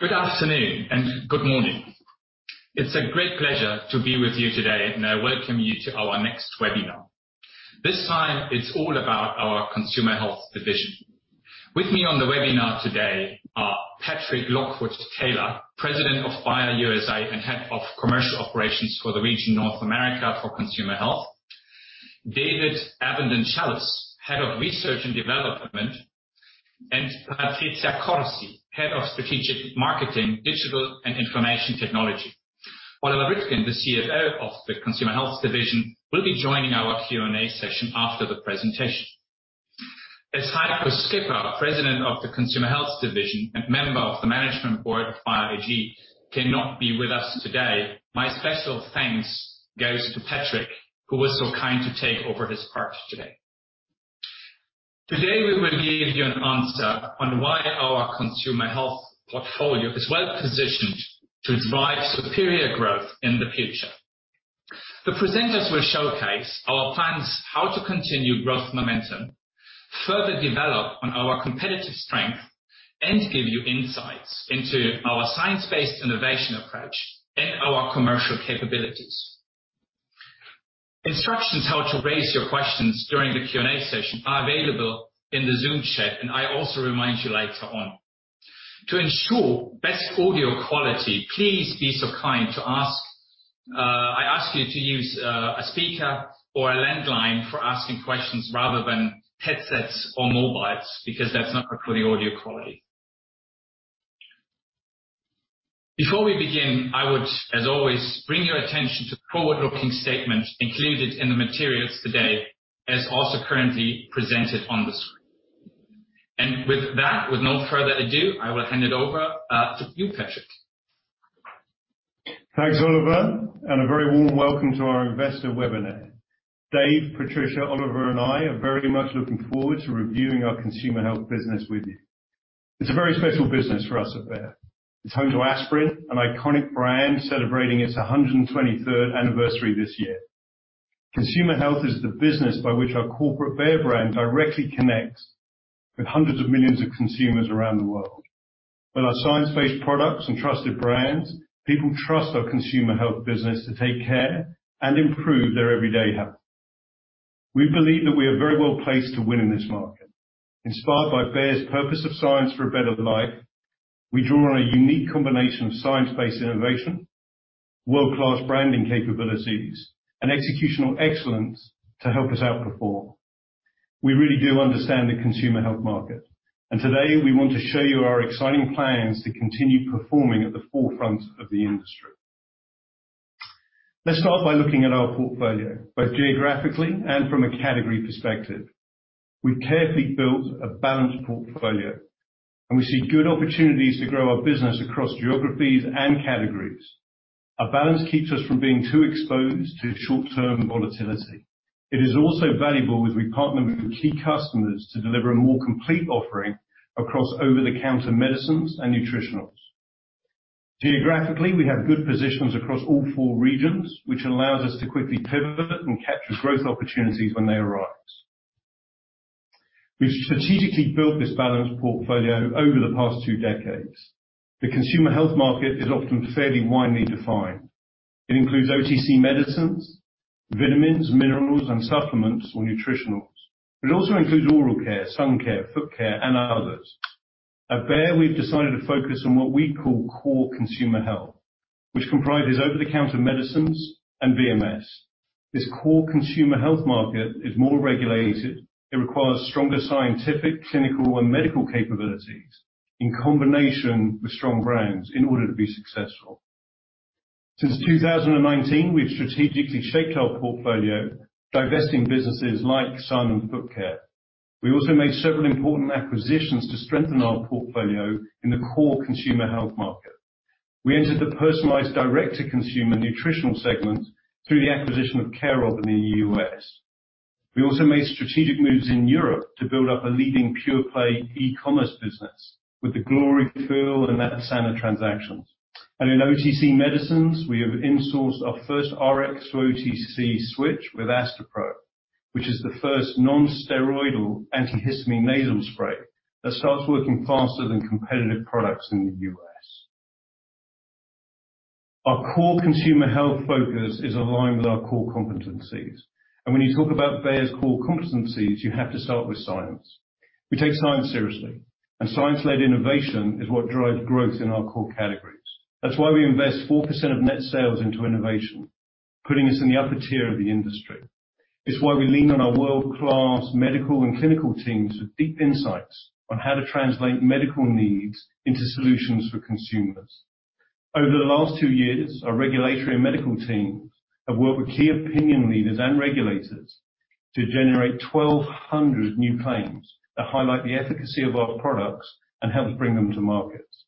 Good afternoon and good morning. It's a great pleasure to be with you today, and I welcome you to our next webinar. This time it's all about our Consumer Health division. With me on the webinar today are Patrick Lockwood-Taylor, President of Bayer U.S. and Head of Commercial Operations for the region North America for Consumer Health. David Evendon-Challis, Head of Research and Development, and Patricia Corsi, Head of Strategic Marketing, Digital, and Information Technology. Oliver Rittgen, the CFO of the Consumer Health Division, will be joining our Q&A session after the presentation. As Heiko Schipper, President of the Consumer Health Division and member of the Board of Management of Bayer AG, cannot be with us today, my special thanks goes to Patrick, who was so kind to take over his part today. Today, we will give you an answer on why our consumer health portfolio is well positioned to drive superior growth in the future. The presenters will showcase our plans how to continue growth momentum, further develop on our competitive strength, and give you insights into our science-based innovation approach and our commercial capabilities. Instructions how to raise your questions during the Q&A session are available in the Zoom chat, and I also remind you later on. To ensure best audio quality, please be so kind, I ask you to use a speaker or a landline for asking questions rather than headsets or mobiles, because that's not good for the audio quality. Before we begin, I would, as always, bring your attention to the forward-looking statement included in the materials today as also currently presented on the screen. With that, with no further ado, I will hand it over to you, Patrick. Thanks, Oliver, and a very warm welcome to our investor webinar. Dave, Patricia, Oliver, and I are very much looking forward to reviewing our Consumer Health business with you. It's a very special business for us at Bayer. It's home to Aspirin, an iconic brand celebrating its 123rd anniversary this year. Consumer Health is the business by which our corporate Bayer brand directly connects with hundreds of millions of consumers around the world. With our science-based products and trusted brands, people trust our Consumer Health business to take care and improve their everyday health. We believe that we are very well placed to win in this market. Inspired by Bayer's purpose of science for a better life, we draw on a unique combination of science-based innovation, world-class branding capabilities, and executional excellence to help us outperform. We really do understand the consumer health market, and today we want to show you our exciting plans to continue performing at the forefront of the industry. Let's start by looking at our portfolio, both geographically and from a category perspective. We've carefully built a balanced portfolio, and we see good opportunities to grow our business across geographies and categories. Our balance keeps us from being too exposed to short-term volatility. It is also valuable as we partner with key customers to deliver a more complete offering across over-the-counter medicines and nutritionals. Geographically, we have good positions across all four regions, which allows us to quickly pivot and capture growth opportunities when they arise. We've strategically built this balanced portfolio over the past two decades. The consumer health market is often fairly widely defined. It includes OTC medicines, vitamins, minerals, and supplements or nutritionals. It also includes oral care, sun care, foot care, and others. At Bayer, we've decided to focus on what we call core consumer health, which comprises over-the-counter medicines and VMS. This core consumer health market is more regulated. It requires stronger scientific, clinical, and medical capabilities in combination with strong brands in order to be successful. Since 2019, we've strategically shaped our portfolio, divesting businesses like sun and foot care. We also made several important acquisitions to strengthen our portfolio in the core consumer health market. We entered the personalized direct-to-consumer nutritional segment through the acquisition of Care/of in the US. We also made strategic moves in Europe to build up a leading pure-play e-commerce business with the GloryFeel and Natsana transactions. In OTC medicines, we have insourced our first Rx-to-OTC switch with Astepro, which is the first non-steroidal antihistamine nasal spray that starts working faster than competitive products in the U.S. Our core consumer health focus is aligned with our core competencies. When you talk about Bayer's core competencies, you have to start with science. We take science seriously, and science-led innovation is what drives growth in our core categories. That's why we invest 4% of net sales into innovation, putting us in the upper tier of the industry. It's why we lean on our world-class medical and clinical teams with deep insights on how to translate medical needs into solutions for consumers. Over the last two years, our regulatory and medical teams have worked with key opinion leaders and regulators to generate 1,200 new claims that highlight the efficacy of our products and help bring them to markets.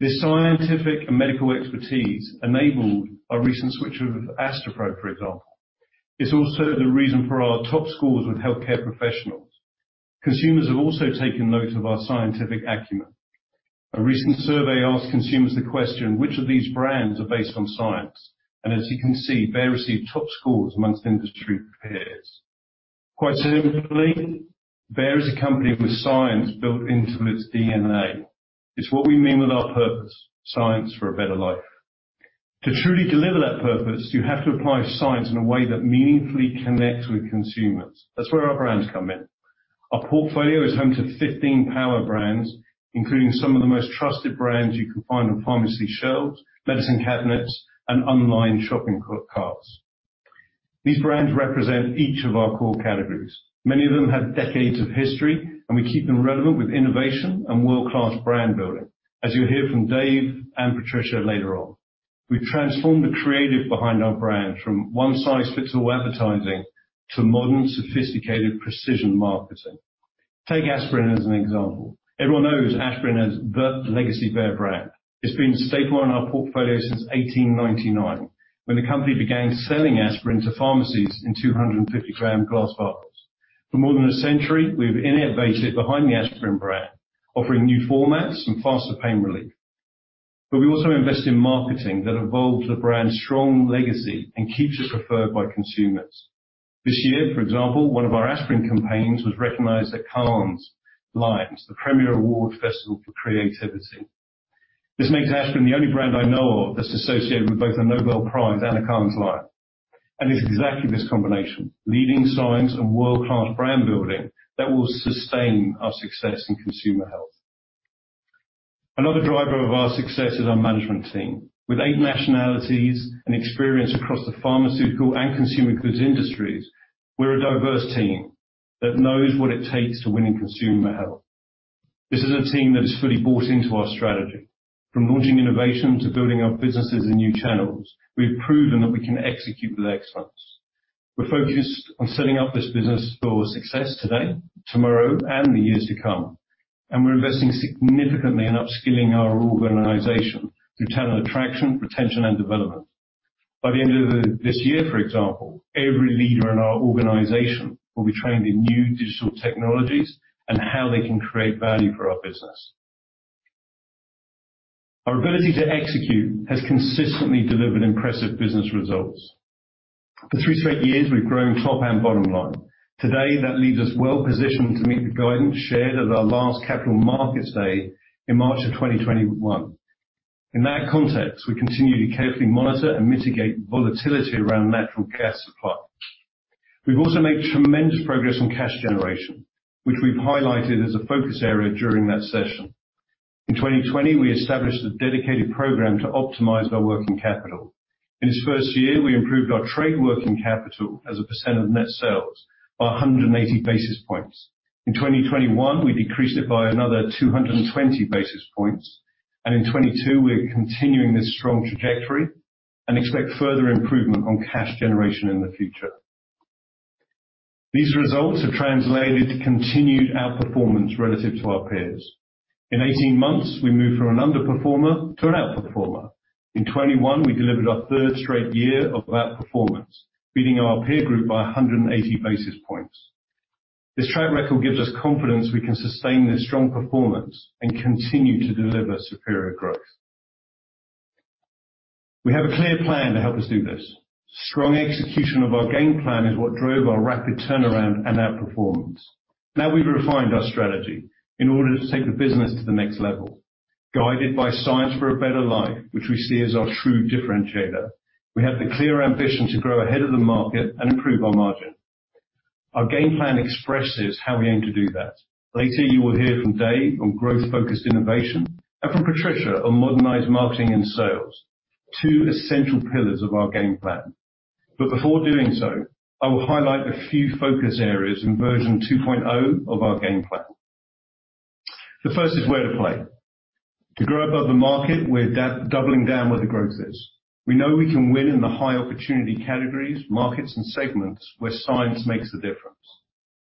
This scientific and medical expertise enabled our recent switch of Astepro, for example. It's also the reason for our top scores with healthcare professionals. Consumers have also taken note of our scientific acumen. A recent survey asked consumers the question, "Which of these brands are based on science?" As you can see, Bayer received top scores among industry peers. Quite simply, Bayer is a company with science built into its DNA. It's what we mean with our purpose, science for a better life. To truly deliver that purpose, you have to apply science in a way that meaningfully connects with consumers. That's where our brands come in. Our portfolio is home to 15 power brands, including some of the most trusted brands you can find on pharmacy shelves, medicine cabinets, and online shopping carts. These brands represent each of our core categories. Many of them have decades of history, and we keep them relevant with innovation and world-class brand building, as you'll hear from Dave and Patricia later on. We've transformed the creative behind our brand from one-size-fits-all advertising to modern, sophisticated precision marketing. Take Aspirin as an example. Everyone knows Aspirin as the legacy Bayer brand. It's been a staple in our portfolio since 1899, when the company began selling Aspirin to pharmacies in 250-gram glass bottles. For more than a century, we've innovated behind the Aspirin brand, offering new formats and faster pain relief. We also invest in marketing that evolves the brand's strong legacy and keeps it preferred by consumers. This year, for example, one of our Aspirin campaigns was recognized at Cannes Lions, the premier award festival for creativity. This makes Aspirin the only brand I know of that's associated with both a Nobel Prize and a Cannes Lions. It's exactly this combination, leading science and world-class brand building, that will sustain our success in consumer health. Another driver of our success is our management team. With eight nationalities and experience across the pharmaceutical and consumer goods industries, we're a diverse team that knows what it takes to win in consumer health. This is a team that has fully bought into our strategy. From launching innovation to building our businesses in new channels, we've proven that we can execute with excellence. We're focused on setting up this business for success today, tomorrow, and the years to come, and we're investing significantly in upskilling our organization through talent attraction, retention and development. By the end of this year, for example, every leader in our organization will be trained in new digital technologies and how they can create value for our business. Our ability to execute has consistently delivered impressive business results. For three straight years, we've grown top and bottom line. Today, that leaves us well positioned to meet the guidance shared at our last Capital Markets Day in March 2021. In that context, we continue to carefully monitor and mitigate volatility around natural gas supply. We've also made tremendous progress on cash generation, which we've highlighted as a focus area during that session. In 2020, we established a dedicated program to optimize our working capital. In its first year, we improved our trade working capital as a % of net sales by 180 basis points. In 2021, we decreased it by another 220 basis points, and in 2022 we're continuing this strong trajectory and expect further improvement on cash generation in the future. These results have translated to continued outperformance relative to our peers. In 18 months, we moved from an underperformer to an outperformer. In 2021, we delivered our third straight year of outperformance, beating our peer group by 180 basis points. This track record gives us confidence we can sustain this strong performance and continue to deliver superior growth. We have a clear plan to help us do this. Strong execution of our game plan is what drove our rapid turnaround and outperformance. Now we've refined our strategy in order to take the business to the next level. Guided by science for a better life, which we see as our true differentiator, we have the clear ambition to grow ahead of the market and improve our margin. Our game plan expresses how we aim to do that. Later, you will hear from Dave on growth-focused innovation and from Patricia on modernized marketing and sales, two essential pillars of our game plan. Before doing so, I will highlight a few focus areas in version 2.0 of our game plan. The first is where to play. To grow above the market, we're doubling down where the growth is. We know we can win in the high opportunity categories, markets, and segments where science makes a difference.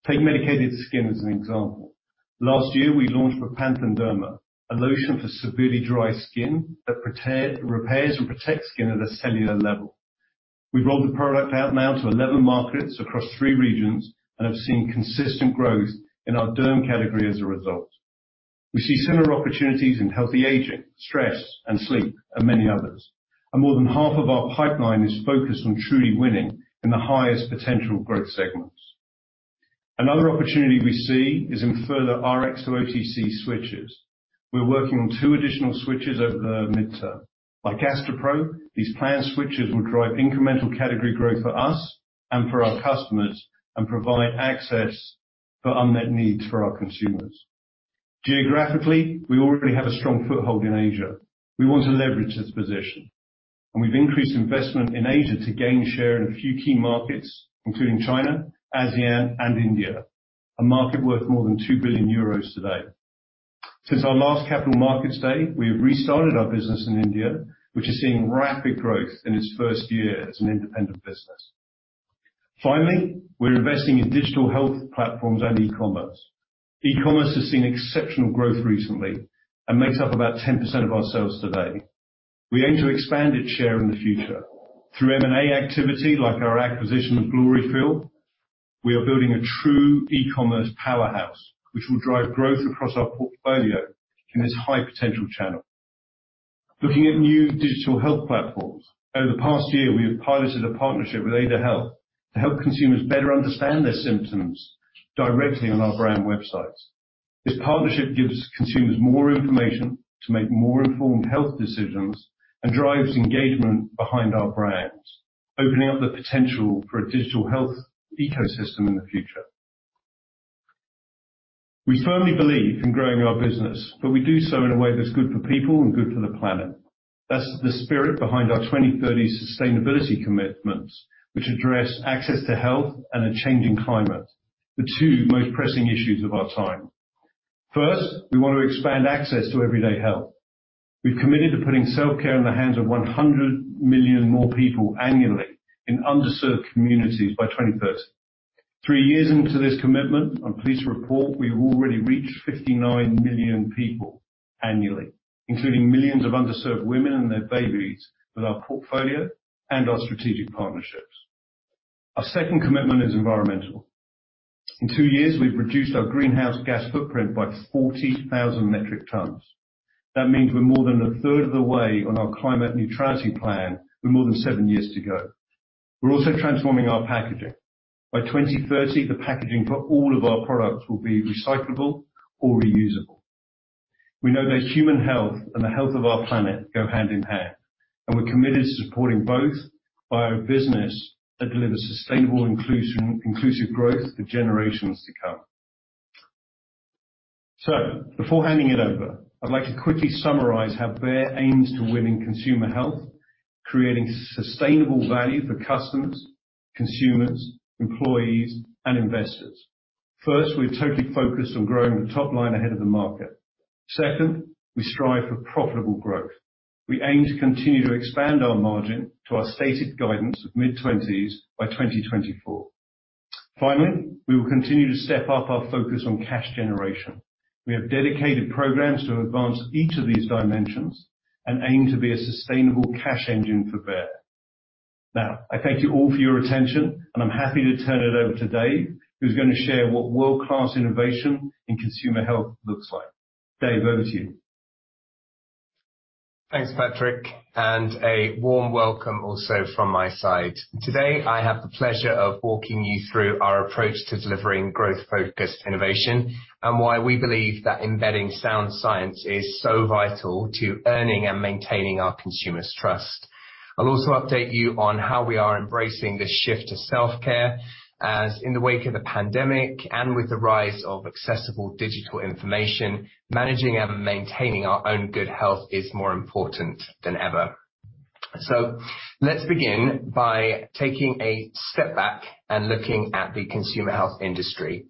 Take medicated skin as an example. Last year, we launched Bepanthen Derma, a lotion for severely dry skin that repairs and protects skin at a cellular level. We've rolled the product out now to 11 markets across three regions and have seen consistent growth in our derm category as a result. We see similar opportunities in healthy aging, stress and sleep, and many others. More than half of our pipeline is focused on truly winning in the highest potential growth segments. Another opportunity we see is in further Rx-to-OTC switches. We're working on two additional switches over the midterm. Like Astepro, these planned switches will drive incremental category growth for us and for our customers and provide access for unmet needs for our consumers. Geographically, we already have a strong foothold in Asia. We want to leverage this position, and we've increased investment in Asia to gain share in a few key markets, including China, ASEAN, and India, a market worth more than 2 billion euros today. Since our last Capital Markets Day, we have restarted our business in India, which is seeing rapid growth in its first year as an independent business. Finally, we're investing in digital health platforms and e-commerce. E-commerce has seen exceptional growth recently and makes up about 10% of our sales today. We aim to expand its share in the future. Through M&A activity like our acquisition of GloryFeel, we are building a true e-commerce powerhouse, which will drive growth across our portfolio in this high potential channel. Looking at new digital health platforms. Over the past year, we have piloted a partnership with Ada Health to help consumers better understand their symptoms directly on our brand websites. This partnership gives consumers more information to make more informed health decisions and drives engagement behind our brands, opening up the potential for a digital health ecosystem in the future. We firmly believe in growing our business, but we do so in a way that's good for people and good for the planet. That's the spirit behind our 2030 sustainability commitments, which address access to health and a changing climate, the two most pressing issues of our time. First, we want to expand access to everyday health. We've committed to putting self-care in the hands of 100 million more people annually in underserved communities by 2030. Three years into this commitment, I'm pleased to report we've already reached 59 million people annually, including millions of underserved women and their babies, with our portfolio and our strategic partnerships. Our second commitment is environmental. In two years, we've reduced our greenhouse gas footprint by 40,000 metric tons. That means we're more than a third of the way on our climate neutrality plan with more than seven years to go. We're also transforming our packaging. By 2030, the packaging for all of our products will be recyclable or reusable. We know that human health and the health of our planet go hand in hand, and we're committed to supporting both by a business that delivers sustainable inclusive growth for generations to come. Before handing it over, I'd like to quickly summarize how Bayer aims to win in consumer health, creating sustainable value for customers, consumers, employees, and investors. First, we're totally focused on growing the top line ahead of the market. Second, we strive for profitable growth. We aim to continue to expand our margin to our stated guidance of mid-20s% by 2024. Finally, we will continue to step up our focus on cash generation. We have dedicated programs to advance each of these dimensions and aim to be a sustainable cash engine for Bayer. Now, I thank you all for your attention, and I'm happy to turn it over to David Evendon-Challis, who's gonna share what world-class innovation in consumer health looks like. David Evendon-Challis, over to you. Thanks, Patrick, and a warm welcome also from my side. Today, I have the pleasure of walking you through our approach to delivering growth-focused innovation and why we believe that embedding sound science is so vital to earning and maintaining our consumers' trust. I'll also update you on how we are embracing this shift to self-care, as in the wake of the pandemic and with the rise of accessible digital information, managing and maintaining our own good health is more important than ever. Let's begin by taking a step back and looking at the consumer health industry.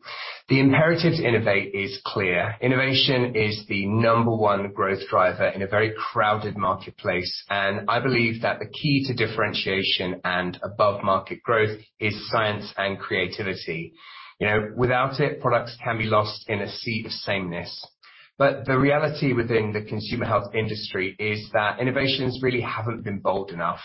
The imperative to innovate is clear. Innovation is the number one growth driver in a very crowded marketplace, and I believe that the key to differentiation and above-market growth is science and creativity. You know, without it, products can be lost in a sea of sameness. The reality within the consumer health industry is that innovations really haven't been bold enough.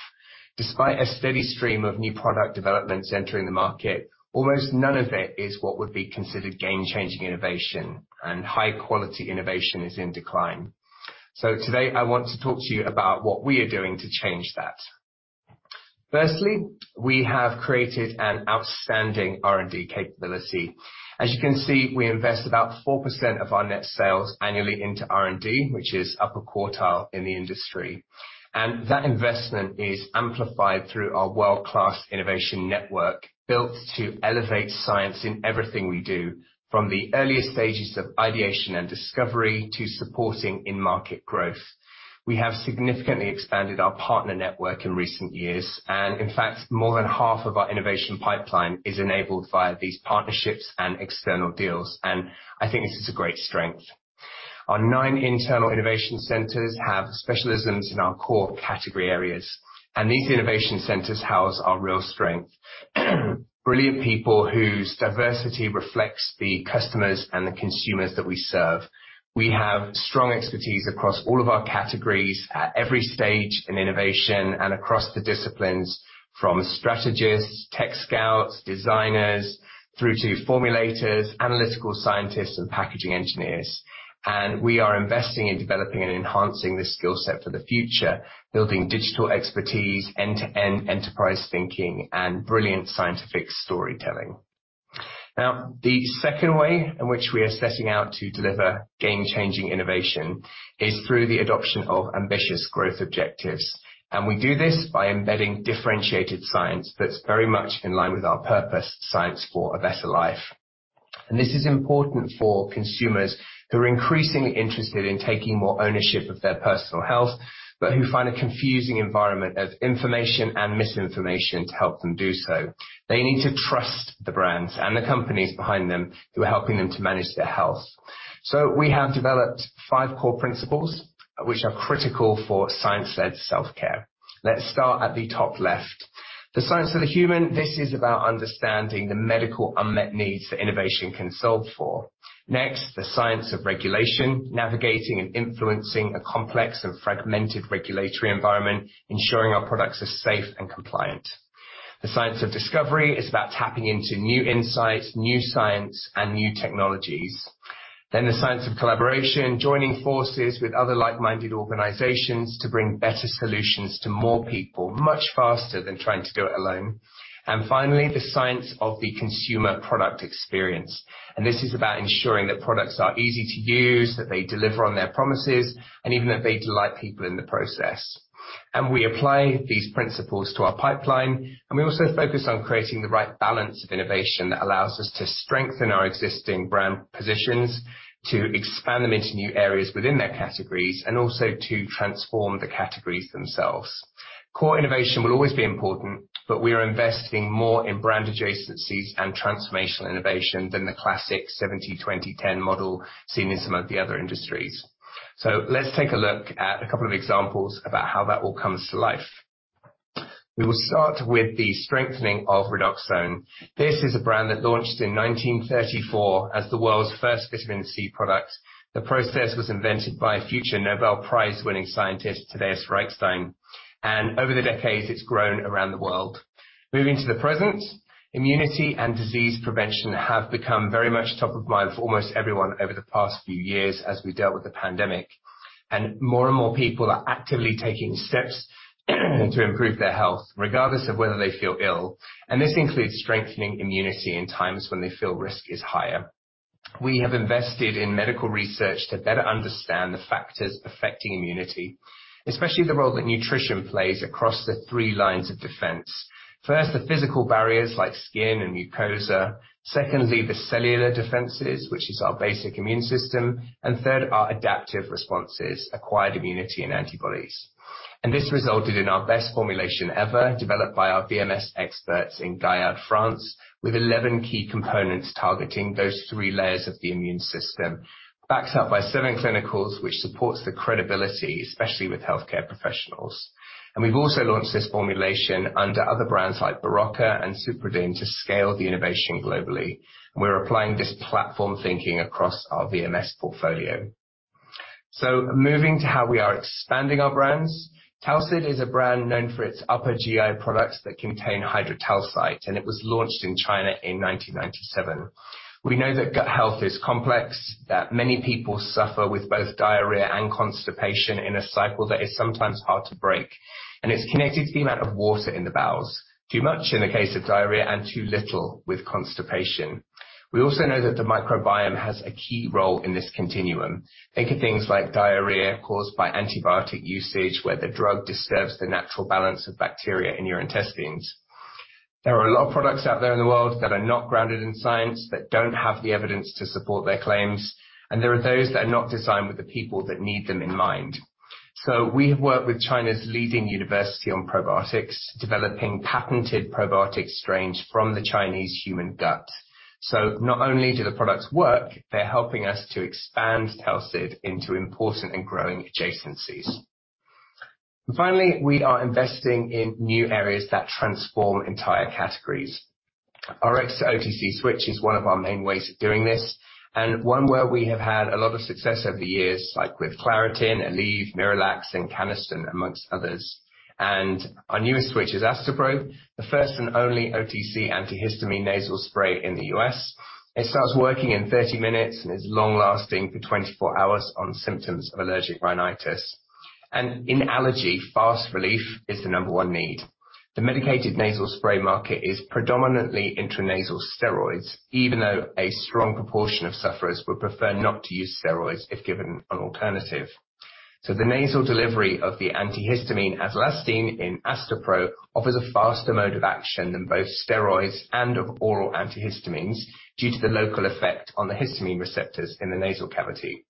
Despite a steady stream of new product developments entering the market, almost none of it is what would be considered game-changing innovation, and high-quality innovation is in decline. Today, I want to talk to you about what we are doing to change that. Firstly, we have created an outstanding R&D capability. As you can see, we invest about 4% of our net sales annually into R&D, which is upper quartile in the industry. That investment is amplified through our world-class innovation network, built to elevate science in everything we do, from the earliest stages of ideation and discovery to supporting in-market growth. We have significantly expanded our partner network in recent years, and in fact, more than half of our innovation pipeline is enabled via these partnerships and external deals, and I think this is a great strength. Our nine internal innovation centers have specialisms in our core category areas, and these innovation centers house our real strength. Brilliant people whose diversity reflects the customers and the consumers that we serve. We have strong expertise across all of our categories at every stage in innovation and across the disciplines, from strategists, tech scouts, designers through to formulators, analytical scientists and packaging engineers. We are investing in developing and enhancing this skill set for the future, building digital expertise, end-to-end enterprise thinking and brilliant scientific storytelling. Now, the second way in which we are setting out to deliver game-changing innovation is through the adoption of ambitious growth objectives. We do this by embedding differentiated science that's very much in line with our purpose, science for a better life. This is important for consumers who are increasingly interested in taking more ownership of their personal health, but who find a confusing environment of information and misinformation to help them do so. They need to trust the brands and the companies behind them who are helping them to manage their health. We have developed five core principles which are critical for science-led self-care. Let's start at the top left. The science of the human. This is about understanding the medical unmet needs that innovation can solve for. Next, the science of regulation. Navigating and influencing a complex and fragmented regulatory environment, ensuring our products are safe and compliant. The science of discovery is about tapping into new insights, new science and new technologies. The science of collaboration, joining forces with other like-minded organizations to bring better solutions to more people much faster than trying to do it alone. Finally, the science of the consumer product experience. This is about ensuring that products are easy to use, that they deliver on their promises, and even that they delight people in the process. We apply these principles to our pipeline, and we also focus on creating the right balance of innovation that allows us to strengthen our existing brand positions, to expand them into new areas within their categories, and also to transform the categories themselves. Core innovation will always be important, but we are investing more in brand adjacencies and transformational innovation than the classic 70/20/10 model seen in some of the other industries. Let's take a look at a couple of examples about how that all comes to life. We will start with the strengthening of Redoxon. This is a brand that launched in 1934 as the world's first vitamin C product. The process was invented by a future Nobel Prize-winning scientist, Tadeusz Reichstein, and over the decades it's grown around the world. Moving to the present, immunity and disease prevention have become very much top of mind for almost everyone over the past few years as we dealt with the pandemic. More and more people are actively taking steps to improve their health regardless of whether they feel ill. This includes strengthening immunity in times when they feel risk is higher. We have invested in medical research to better understand the factors affecting immunity, especially the role that nutrition plays across the three lines of defense. First, the physical barriers like skin and mucosa. Secondly, the cellular defenses, which is our basic immune system. Third, our adaptive responses, acquired immunity and antibodies. This resulted in our best formulation ever developed by our VMS experts in Gaillard, France, with 11 key components targeting those three layers of the immune system, backed up by seven clinicals, which supports the credibility, especially with healthcare professionals. We've also launched this formulation under other brands like Berocca and Supradyn to scale the innovation globally. We're applying this platform thinking across our VMS portfolio. Moving to how we are expanding our brands. Talcid is a brand known for its upper GI products that contain hydrotalcite, and it was launched in China in 1997. We know that gut health is complex, that many people suffer with both diarrhea and constipation in a cycle that is sometimes hard to break, and it's connected to the amount of water in the bowels. Too much in the case of diarrhea and too little with constipation. We also know that the microbiome has a key role in this continuum. Think of things like diarrhea caused by antibiotic usage, where the drug disturbs the natural balance of bacteria in your intestines. There are a lot of products out there in the world that are not grounded in science, that don't have the evidence to support their claims, and there are those that are not designed with the people that need them in mind. We have worked with China's leading university on probiotics, developing patented probiotic strains from the Chinese human gut. Not only do the products work, they're helping us to expand Talcid into important and growing adjacencies. Finally, we are investing in new areas that transform entire categories. Rx-to-OTC switch is one of our main ways of doing this, and one where we have had a lot of success over the years, like with Claritin, Aleve, MiraLAX and Canesten, among others. Our newest switch is Astepro, the first and only OTC antihistamine nasal spray in the U.S. It starts working in 30 minutes and is long lasting for 24 hours on symptoms of allergic rhinitis. In allergy, fast relief is the number one need. The medicated nasal spray market is predominantly intranasal steroids, even though a strong proportion of sufferers would prefer not to use steroids if given an alternative. The nasal delivery of the antihistamine azelastine in Astepro offers a faster mode of action than both steroids and of oral antihistamines due to the local effect on the histamine receptors in the nasal cavity.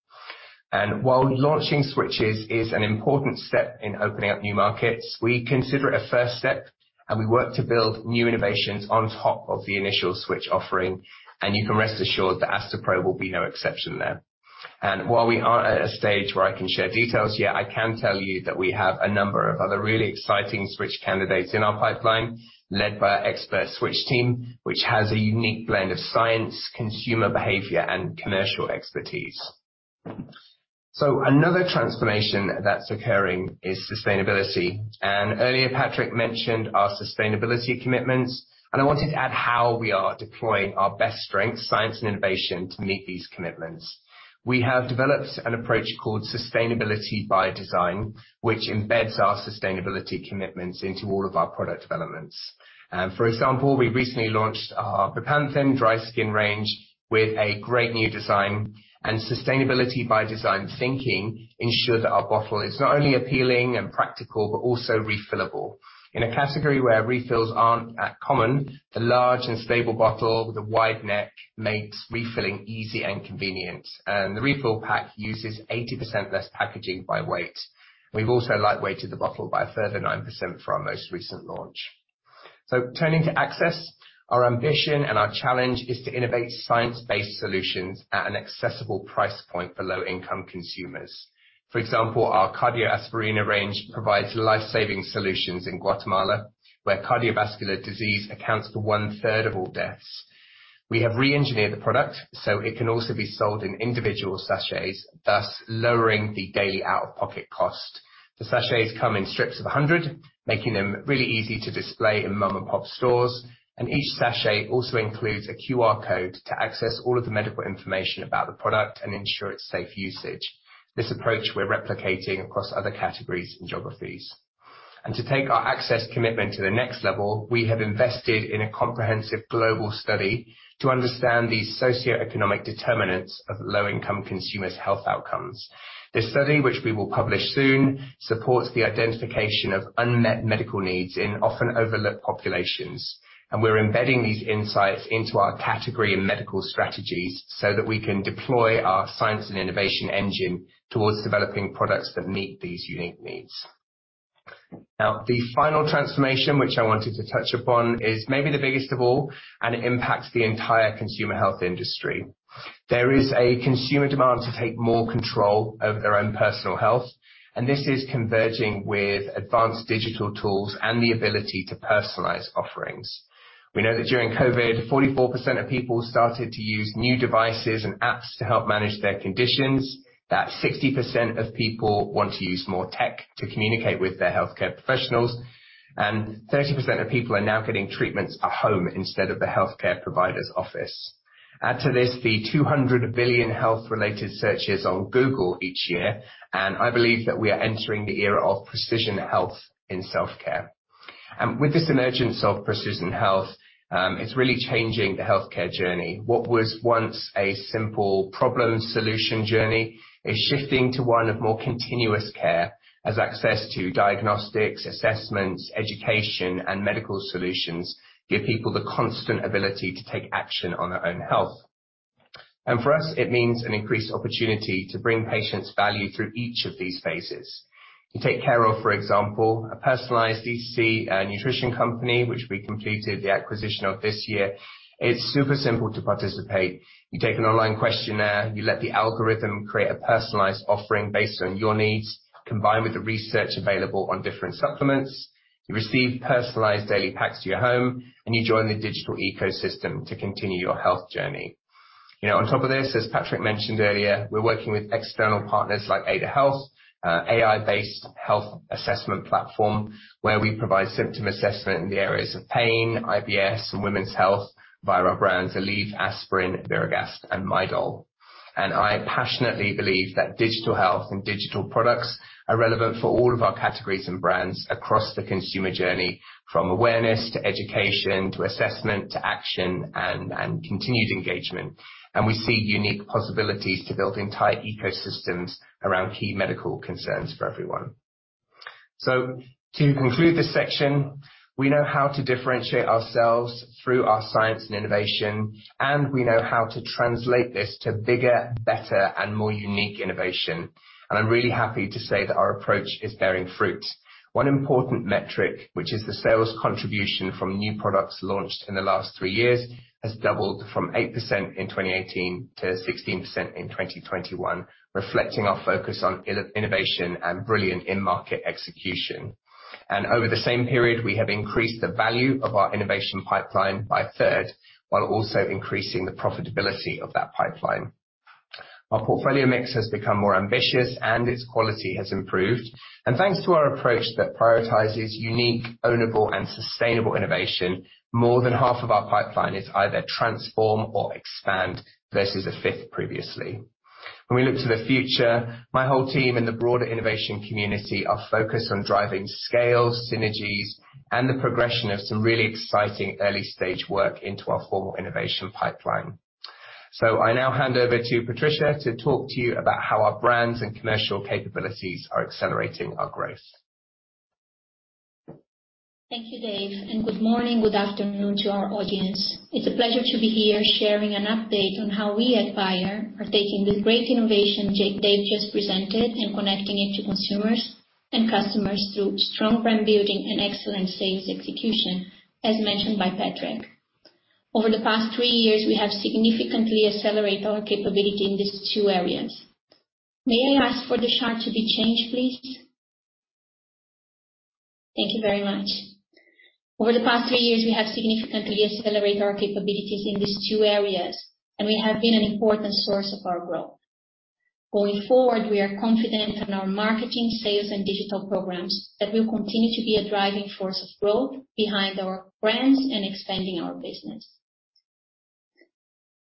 While launching switches is an important step in opening up new markets, we consider it a first step, and we work to build new innovations on top of the initial switch offering, and you can rest assured that Astepro will be no exception there. While we aren't at a stage where I can share details yet, I can tell you that we have a number of other really exciting switch candidates in our pipeline, led by expert switch team, which has a unique blend of science, consumer behavior and commercial expertise. Another transformation that's occurring is sustainability. Earlier, Patrick mentioned our sustainability commitments, and I wanted to add how we are deploying our best strengths, science and innovation to meet these commitments. We have developed an approach called Sustainability by Design, which embeds our sustainability commitments into all of our product developments. For example, we recently launched our Bepanthen dry skin range with a great new design. Sustainability by Design thinking ensured that our bottle is not only appealing and practical, but also refillable. In a category where refills aren't at common, the large and stable bottle with a wide neck makes refilling easy and convenient. The refill pack uses 80% less packaging by weight. We've also lightweighted the bottle by a further 9% for our most recent launch. Turning to access. Our ambition and our challenge is to innovate science-based solutions at an accessible price point for low income consumers. For example, our CardioAspirina range provides life-saving solutions in Guatemala, where cardiovascular disease accounts for one-third of all deaths. We have re-engineered the product so it can also be sold in individual sachets, thus lowering the daily out-of-pocket cost. The sachets come in strips of 100, making them really easy to display in mom-and-pop stores. Each sachet also includes a QR code to access all of the medical information about the product and ensure its safe usage. This approach we're replicating across other categories and geographies. To take our access commitment to the next level, we have invested in a comprehensive global study to understand the socioeconomic determinants of low-income consumers' health outcomes. This study, which we will publish soon, supports the identification of unmet medical needs in often overlooked populations. We're embedding these insights into our category and medical strategies so that we can deploy our science and innovation engine towards developing products that meet these unique needs. Now, the final transformation, which I wanted to touch upon, is maybe the biggest of all, and it impacts the entire consumer health industry. There is a consumer demand to take more control over their own personal health, and this is converging with advanced digital tools and the ability to personalize offerings. We know that during COVID, 44% of people started to use new devices and apps to help manage their conditions, that 60% of people want to use more tech to communicate with their healthcare professionals, and 30% of people are now getting treatments at home instead of the healthcare provider's office. Add to this the 200 billion health-related searches on Google each year, and I believe that we are entering the era of precision health in self-care. With this emergence of precision health, it's really changing the healthcare journey. What was once a simple problem-solution journey is shifting to one of more continuous care as access to diagnostics, assessments, education, and medical solutions give people the constant ability to take action on their own health. For us, it means an increased opportunity to bring patients value through each of these phases. You take care of, for example, a personalized DTC nutrition company, which we completed the acquisition of this year. It's super simple to participate. You take an online questionnaire, you let the algorithm create a personalized offering based on your needs, combined with the research available on different supplements. You receive personalized daily packs to your home, and you join the digital ecosystem to continue your health journey. You know, on top of this, as Patrick mentioned earlier, we're working with external partners like Ada Health, AI-based health assessment platform, where we provide symptom assessment in the areas of pain, IBS, and women's health via our brands Aleve, Aspirin, Iberogast, and Midol. I passionately believe that digital health and digital products are relevant for all of our categories and brands across the consumer journey, from awareness to education, to assessment to action and continued engagement. We see unique possibilities to building tight ecosystems around key medical concerns for everyone. To conclude this section, we know how to differentiate ourselves through our science and innovation, and we know how to translate this to bigger, better, and more unique innovation. I'm really happy to say that our approach is bearing fruit. One important metric, which is the sales contribution from new products launched in the last three years, has doubled from 8% in 2018 to 16% in 2021, reflecting our focus on innovation and brilliant in-market execution. Over the same period, we have increased the value of our innovation pipeline by a third, while also increasing the profitability of that pipeline. Our portfolio mix has become more ambitious, and its quality has improved. Thanks to our approach that prioritizes unique, ownable, and sustainable innovation, more than half of our pipeline is either transform or expand versus a fifth previously. When we look to the future, my whole team and the broader innovation community are focused on driving scale, synergies, and the progression of some really exciting early-stage work into our formal innovation pipeline. I now hand over to Patricia to talk to you about how our brands and commercial capabilities are accelerating our growth. Thank you, Dave, and good morning, good afternoon to our audience. It's a pleasure to be here sharing an update on how we at Bayer are taking the great innovation that Dave just presented and connecting it to consumers and customers through strong brand building and excellent sales execution, as mentioned by Patrick. May I ask for the chart to be changed, please? Thank you very much. Over the past three years, we have significantly accelerated our capabilities in these two areas, and we have been an important source of our growth. Going forward, we are confident in our marketing, sales, and digital programs that will continue to be a driving force of growth behind our brands and expanding our business.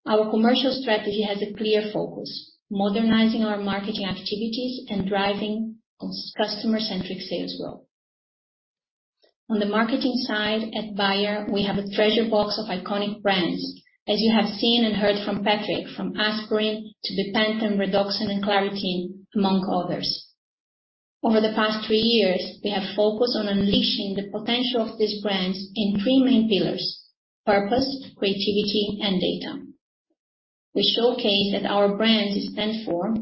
Our commercial strategy has a clear focus: modernizing our marketing activities and driving customer-centric sales growth. On the marketing side at Bayer, we have a treasure box of iconic brands, as you have seen and heard from Patrick, from Aspirin to Bepanthen, Redoxon, and Claritin, among others. Over the past three years, we have focused on unleashing the potential of these brands in three main pillars. Purpose, creativity, and data. We showcase that our brands stand for,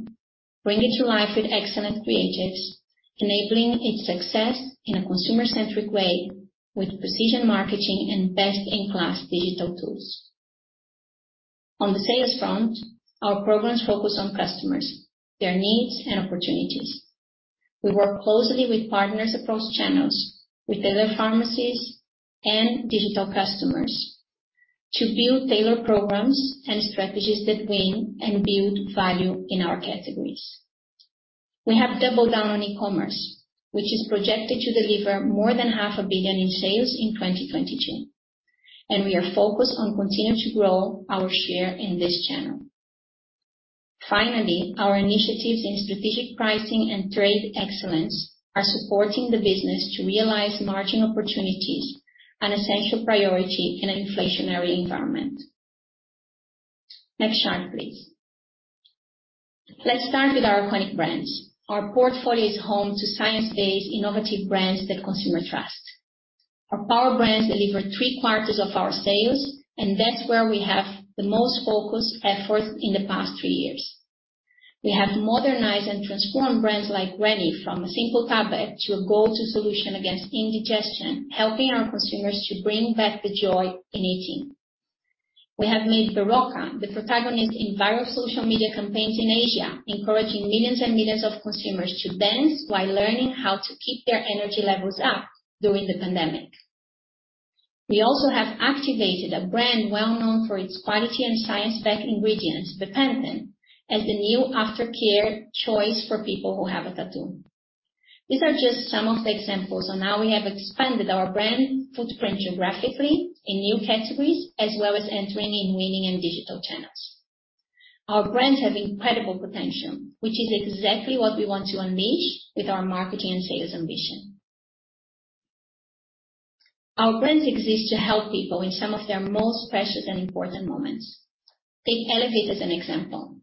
bring it to life with excellent creatives, enabling its success in a consumer-centric way with precision marketing and best-in-class digital tools. On the sales front, our programs focus on customers, their needs and opportunities. We work closely with partners across channels, with other pharmacies and digital customers to build tailored programs and strategies that win and build value in our categories. We have doubled down on e-commerce, which is projected to deliver more than half a billion EUR in sales in 2022, and we are focused on continuing to grow our share in this channel. Our initiatives in strategic pricing and trade excellence are supporting the business to realize margin opportunities, an essential priority in an inflationary environment. Next slide, please. Let's start with our iconic brands. Our portfolio is home to science-based innovative brands that consumers trust. Our power brands deliver 3/4 of our sales, and that's where we have the most focused efforts in the past three years. We have modernized and transformed brands like Rennie from a single tablet to a go-to solution against indigestion, helping our consumers to bring back the joy in eating. We have made Berocca the protagonist in viral social media campaigns in Asia, encouraging millions and millions of consumers to dance while learning how to keep their energy levels up during the pandemic. We also have activated a brand well-known for its quality and science-backed ingredients, Bepanthen, as the new aftercare choice for people who have a tattoo. These are just some of the examples on how we have expanded our brand footprint geographically in new categories, as well as entering in winning and digital channels. Our brands have incredible potential, which is exactly what we want to unleash with our marketing and sales ambition. Our brands exist to help people in some of their most precious and important moments. Take Elevit as an example.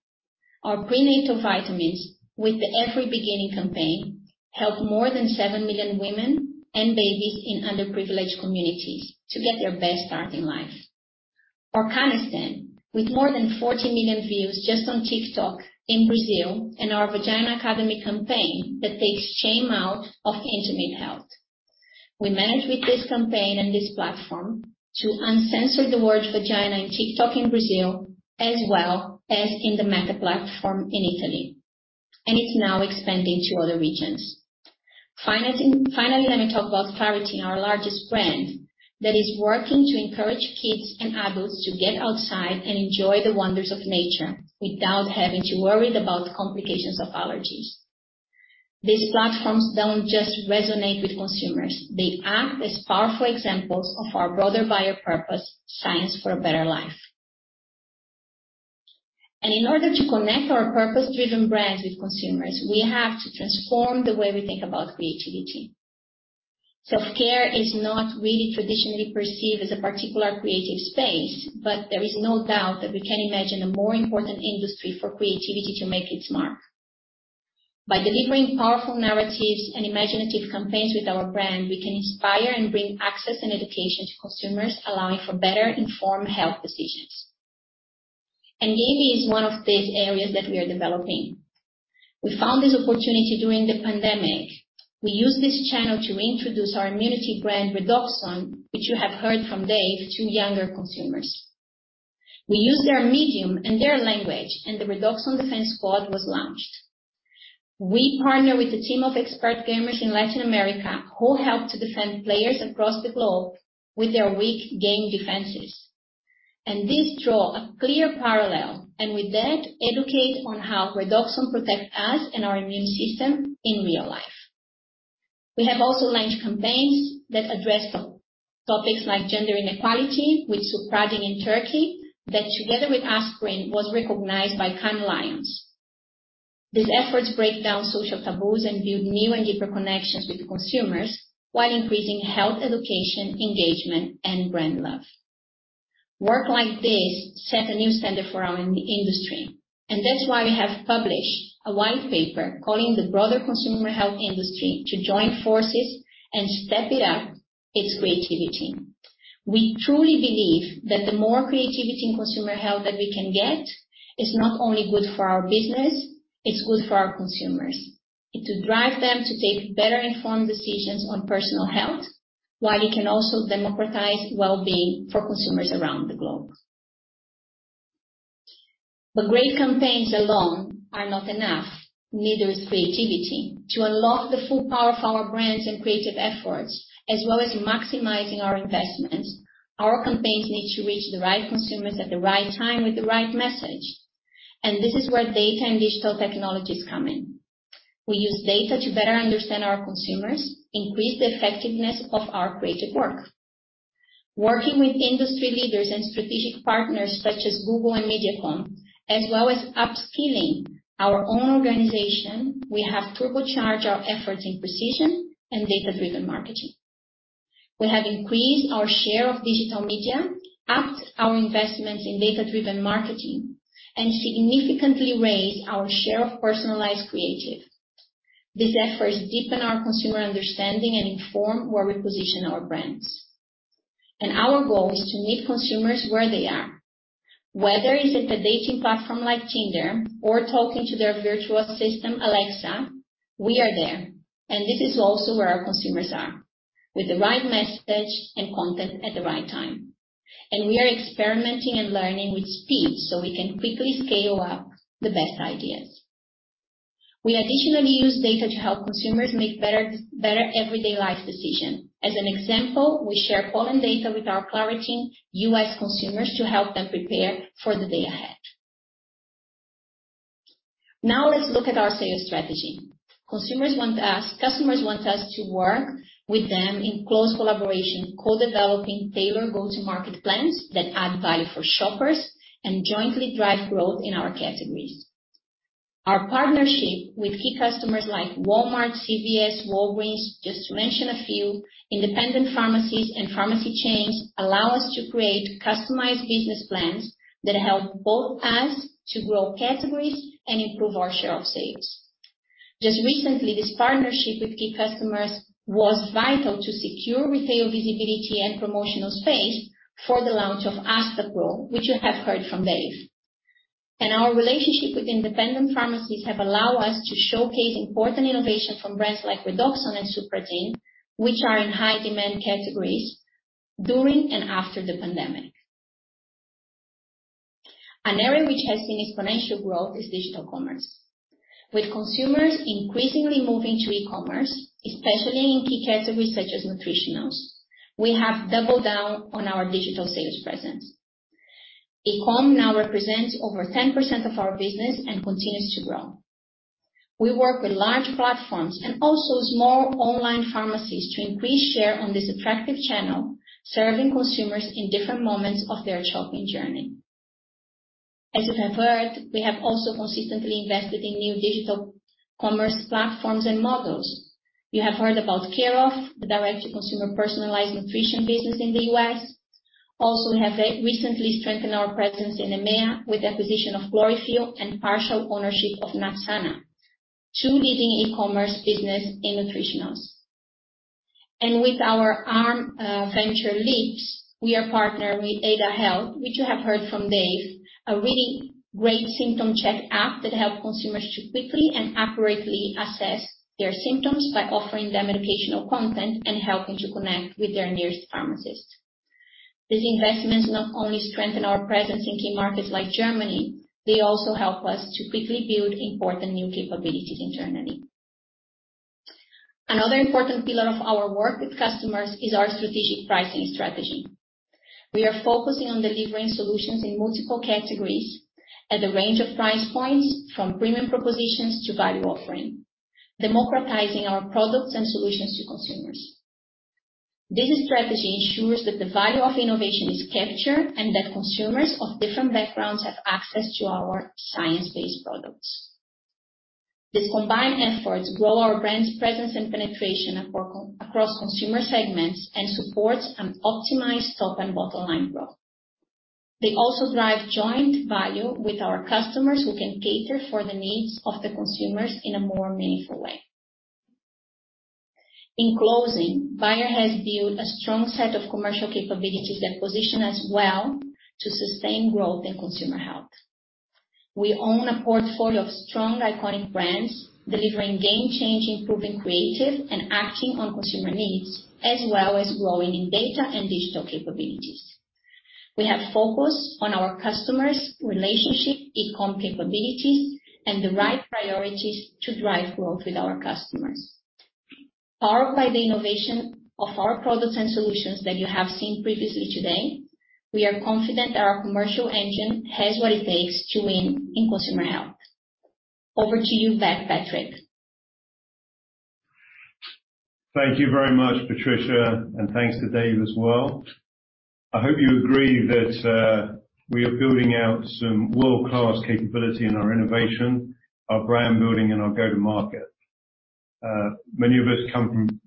Our prenatal vitamins with the Every Beginning campaign helped more than 7 million women and babies in underprivileged communities to get their best start in life. Canesten, with more than 40 million views just on TikTok in Brazil and our Vagina Academy campaign that takes shame out of intimate health. We managed with this campaign and this platform to uncensor the word vagina in TikTok in Brazil as well as in the Meta platform in Italy, and it's now expanding to other regions. Finally, let me talk about Claritin, our largest brand, that is working to encourage kids and adults to get outside and enjoy the wonders of nature without having to worry about complications of allergies. These platforms don't just resonate with consumers. They act as powerful examples of our broader Bayer purpose, science for a better life. In order to connect our purpose-driven brands with consumers, we have to transform the way we think about creativity. Self-care is not really traditionally perceived as a particular creative space, but there is no doubt that we can imagine a more important industry for creativity to make its mark. By delivering powerful narratives and imaginative campaigns with our brand, we can inspire and bring access and education to consumers, allowing for better informed health decisions. Gaming is one of these areas that we are developing. We found this opportunity during the pandemic. We used this channel to introduce our immunity brand, Redoxon, which you have heard from Dave, to younger consumers. We used their medium and their language, and the Redoxon Defense Squad was launched. We partner with a team of expert gamers in Latin America who help to defend players across the globe with their weak game defenses. This draw a clear parallel, and with that, educate on how Redoxon protects us and our immune system in real life. We have also launched campaigns that address topics like gender inequality with Supradyn in Turkey that together with Aspirin was recognized by Cannes Lions. These efforts break down social taboos and build new and deeper connections with consumers while increasing health education, engagement, and brand love. Work like this set a new standard for our industry, and that's why we have published a white paper calling the broader consumer health industry to join forces and step it up its creativity. We truly believe that the more creativity in consumer health that we can get is not only good for our business, it's good for our consumers. It will drive them to make better informed decisions on personal health, while it can also democratize well-being for consumers around the globe. Great campaigns alone are not enough. Neither is creativity. To unlock the full power of our brands and creative efforts, as well as maximizing our investments, our campaigns need to reach the right consumers at the right time with the right message. This is where data and digital technologies come in. We use data to better understand our consumers, increase the effectiveness of our creative work. Working with industry leaders and strategic partners such as Google and MediaCom, as well as upskilling our own organization, we have turbocharged our efforts in precision and data-driven marketing. We have increased our share of digital media, upped our investments in data-driven marketing, and significantly raised our share of personalized creative. These efforts deepen our consumer understanding and inform where we position our brands. Our goal is to meet consumers where they are. Whether it's a dating platform like Tinder or talking to their virtual assistant, Alexa, we are there. This is also where our consumers are. With the right message and content at the right time. We are experimenting and learning with speed so we can quickly scale up the best ideas. We additionally use data to help consumers make better everyday life decisions. As an example, we share pollen data with our Claritin U.S. consumers to help them prepare for the day ahead. Now let's look at our sales strategy. Customers want us to work with them in close collaboration, co-developing tailored go-to-market plans that add value for shoppers and jointly drive growth in our categories. Our partnership with key customers like Walmart, CVS, Walgreens, just to mention a few, independent pharmacies and pharmacy chains allow us to create customized business plans that help both us to grow categories and improve our share of sales. Just recently, this partnership with key customers was vital to secure retail visibility and promotional space for the launch of Aspirin, which you have heard from Dave. Our relationship with independent pharmacies have allowed us to showcase important innovation from brands like Redoxon and Supradyn, which are in high demand categories during and after the pandemic. An area which has seen exponential growth is digital commerce. With consumers increasingly moving to e-commerce, especially in key categories such as nutritionals, we have doubled down on our digital sales presence. E-com now represents over 10% of our business and continues to grow. We work with large platforms and also small online pharmacies to increase share on this attractive channel, serving consumers in different moments of their shopping journey. As you have heard, we have also consistently invested in new digital commerce platforms and models. You have heard about Care/of, the direct-to-consumer personalized nutrition business in the US. Also, we have recently strengthened our presence in EMEA with acquisition of GloryFeel and partial ownership of Natsana, two leading e-commerce business in nutritionals. With our arm, venture Leaps, we are partnered with Ada Health, which you have heard from Dave, a really great symptom check app that help consumers to quickly and accurately assess their symptoms by offering them educational content and helping to connect with their nearest pharmacist. These investments not only strengthen our presence in key markets like Germany, they also help us to quickly build important new capabilities internally. Another important pillar of our work with customers is our strategic pricing strategy. We are focusing on delivering solutions in multiple categories at a range of price points from premium propositions to value offering, democratizing our products and solutions to consumers. This strategy ensures that the value of innovation is captured and that consumers of different backgrounds have access to our science-based products. These combined efforts grow our brand's presence and penetration across consumer segments and supports an optimized top and bottom line growth. They also drive joint value with our customers who can cater for the needs of the consumers in a more meaningful way. In closing, Bayer has built a strong set of commercial capabilities that position us well to sustain growth in consumer health. We own a portfolio of strong, iconic brands, delivering game-changing, proven creative and acting on consumer needs, as well as growing in data and digital capabilities. We have focused on our customer relationships, e-com capabilities, and the right priorities to drive growth with our customers. Powered by the innovation of our products and solutions that you have seen previously today, we are confident that our commercial engine has what it takes to win in consumer health. Over to you, Patrick. Thank you very much, Patricia, and thanks to Dave as well. I hope you agree that we are building out some world-class capability in our innovation, our brand building, and our go-to-market. Many of us come from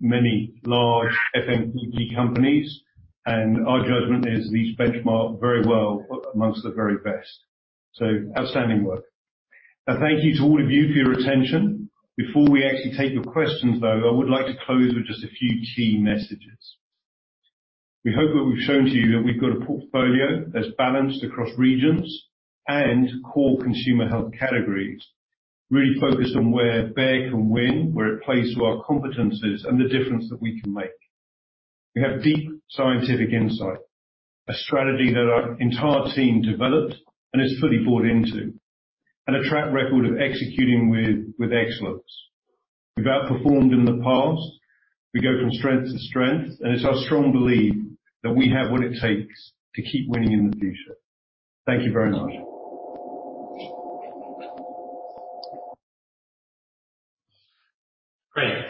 many large FMCG companies, and our judgment is these benchmark very well amongst the very best. Outstanding work. Now, thank you to all of you for your attention. Before we actually take your questions, though, I would like to close with just a few key messages. We hope that we've shown to you that we've got a portfolio that's balanced across regions and core consumer health categories, really focused on where Bayer can win, where it plays to our competencies and the difference that we can make. We have deep scientific insight, a strategy that our entire team developed and is fully bought into, and a track record of executing with excellence. We've outperformed in the past. We go from strength to strength, and it's our strong belief that we have what it takes to keep winning in the future. Thank you very much.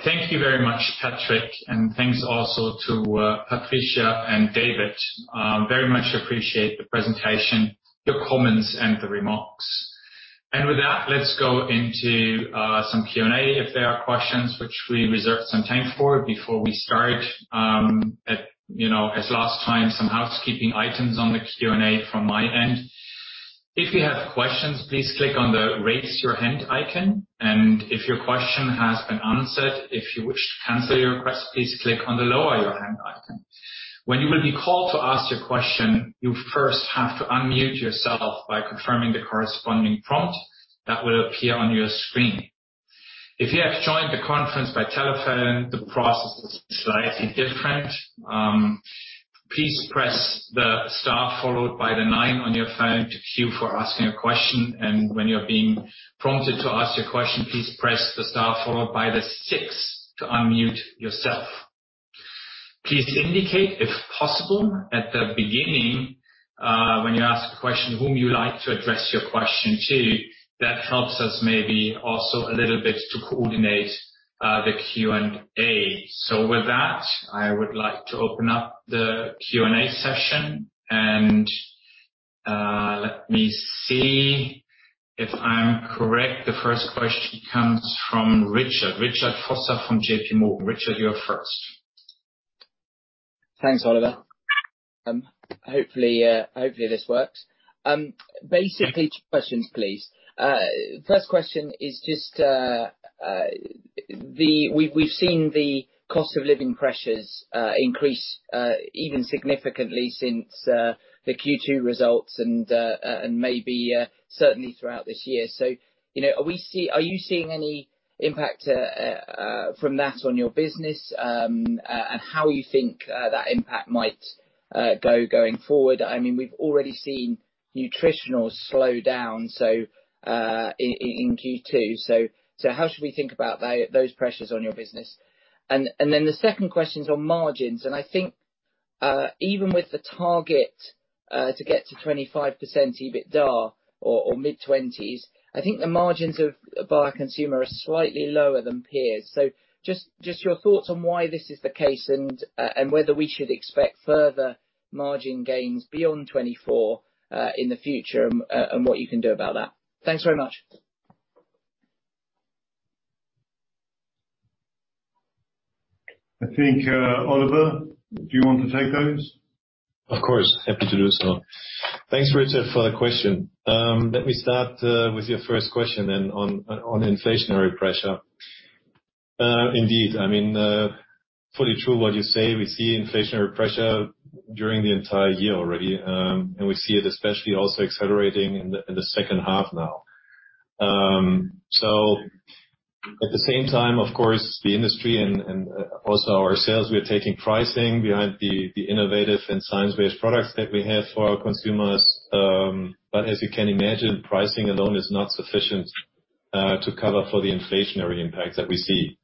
Great. Thank you very much, Patrick. Thanks also to Patricia and David. Very much appreciate the presentation, your comments, and the remarks. With that, let's go into some Q&A if there are questions which we reserved some time for. Before we start, you know, as last time, some housekeeping items on the Q&A from my end. If you have questions, please click on the raise your hand icon. If your question has been answered, if you wish to cancel your request, please click on the lower your hand icon. When you will be called to ask your question, you first have to unmute yourself by confirming the corresponding prompt that will appear on your screen. If you have joined the conference by telephone, the process is slightly different. Please press the star followed by the nine on your phone to queue for asking a question, and when you're being prompted to ask your question, please press the star followed by the six to unmute yourself. Please indicate, if possible, at the beginning, when you ask a question, whom you'd like to address your question to. That helps us maybe also a little bit to coordinate the Q&A. With that, I would like to open up the Q&A session and let me see. If I'm correct, the first question comes from Richard. Richard Vosser from J.P. Morgan. Richard, you're first. Thanks, Oliver. Hopefully this works. Basically two questions, please. First question is just, we've seen the cost of living pressures increase even significantly since the Q2 results and maybe certainly throughout this year. You know, are you seeing any impact from that on your business and how you think that impact might go forward? I mean, we've already seen Nutritionals slow down in Q2. So how should we think about those pressures on your business? And then the second question's on margins. I think even with the target to get to 25% EBITDA or mid-20s, the margins of Bayer Consumer are slightly lower than peers. Just your thoughts on why this is the case and whether we should expect further margin gains beyond 2024 in the future and what you can do about that. Thanks very much. I think, Oliver, do you want to take those? Of course. Happy to do so. Thanks, Richard, for the question. Let me start with your first question then on inflationary pressure. Indeed, I mean, fully true what you say. We see inflationary pressure during the entire year already, and we see it especially also accelerating in the second half now. At the same time, of course, the industry and also ourselves, we are taking pricing behind the innovative and science-based products that we have for our consumers. As you can imagine, pricing alone is not sufficient to cover for the inflationary impact that we see.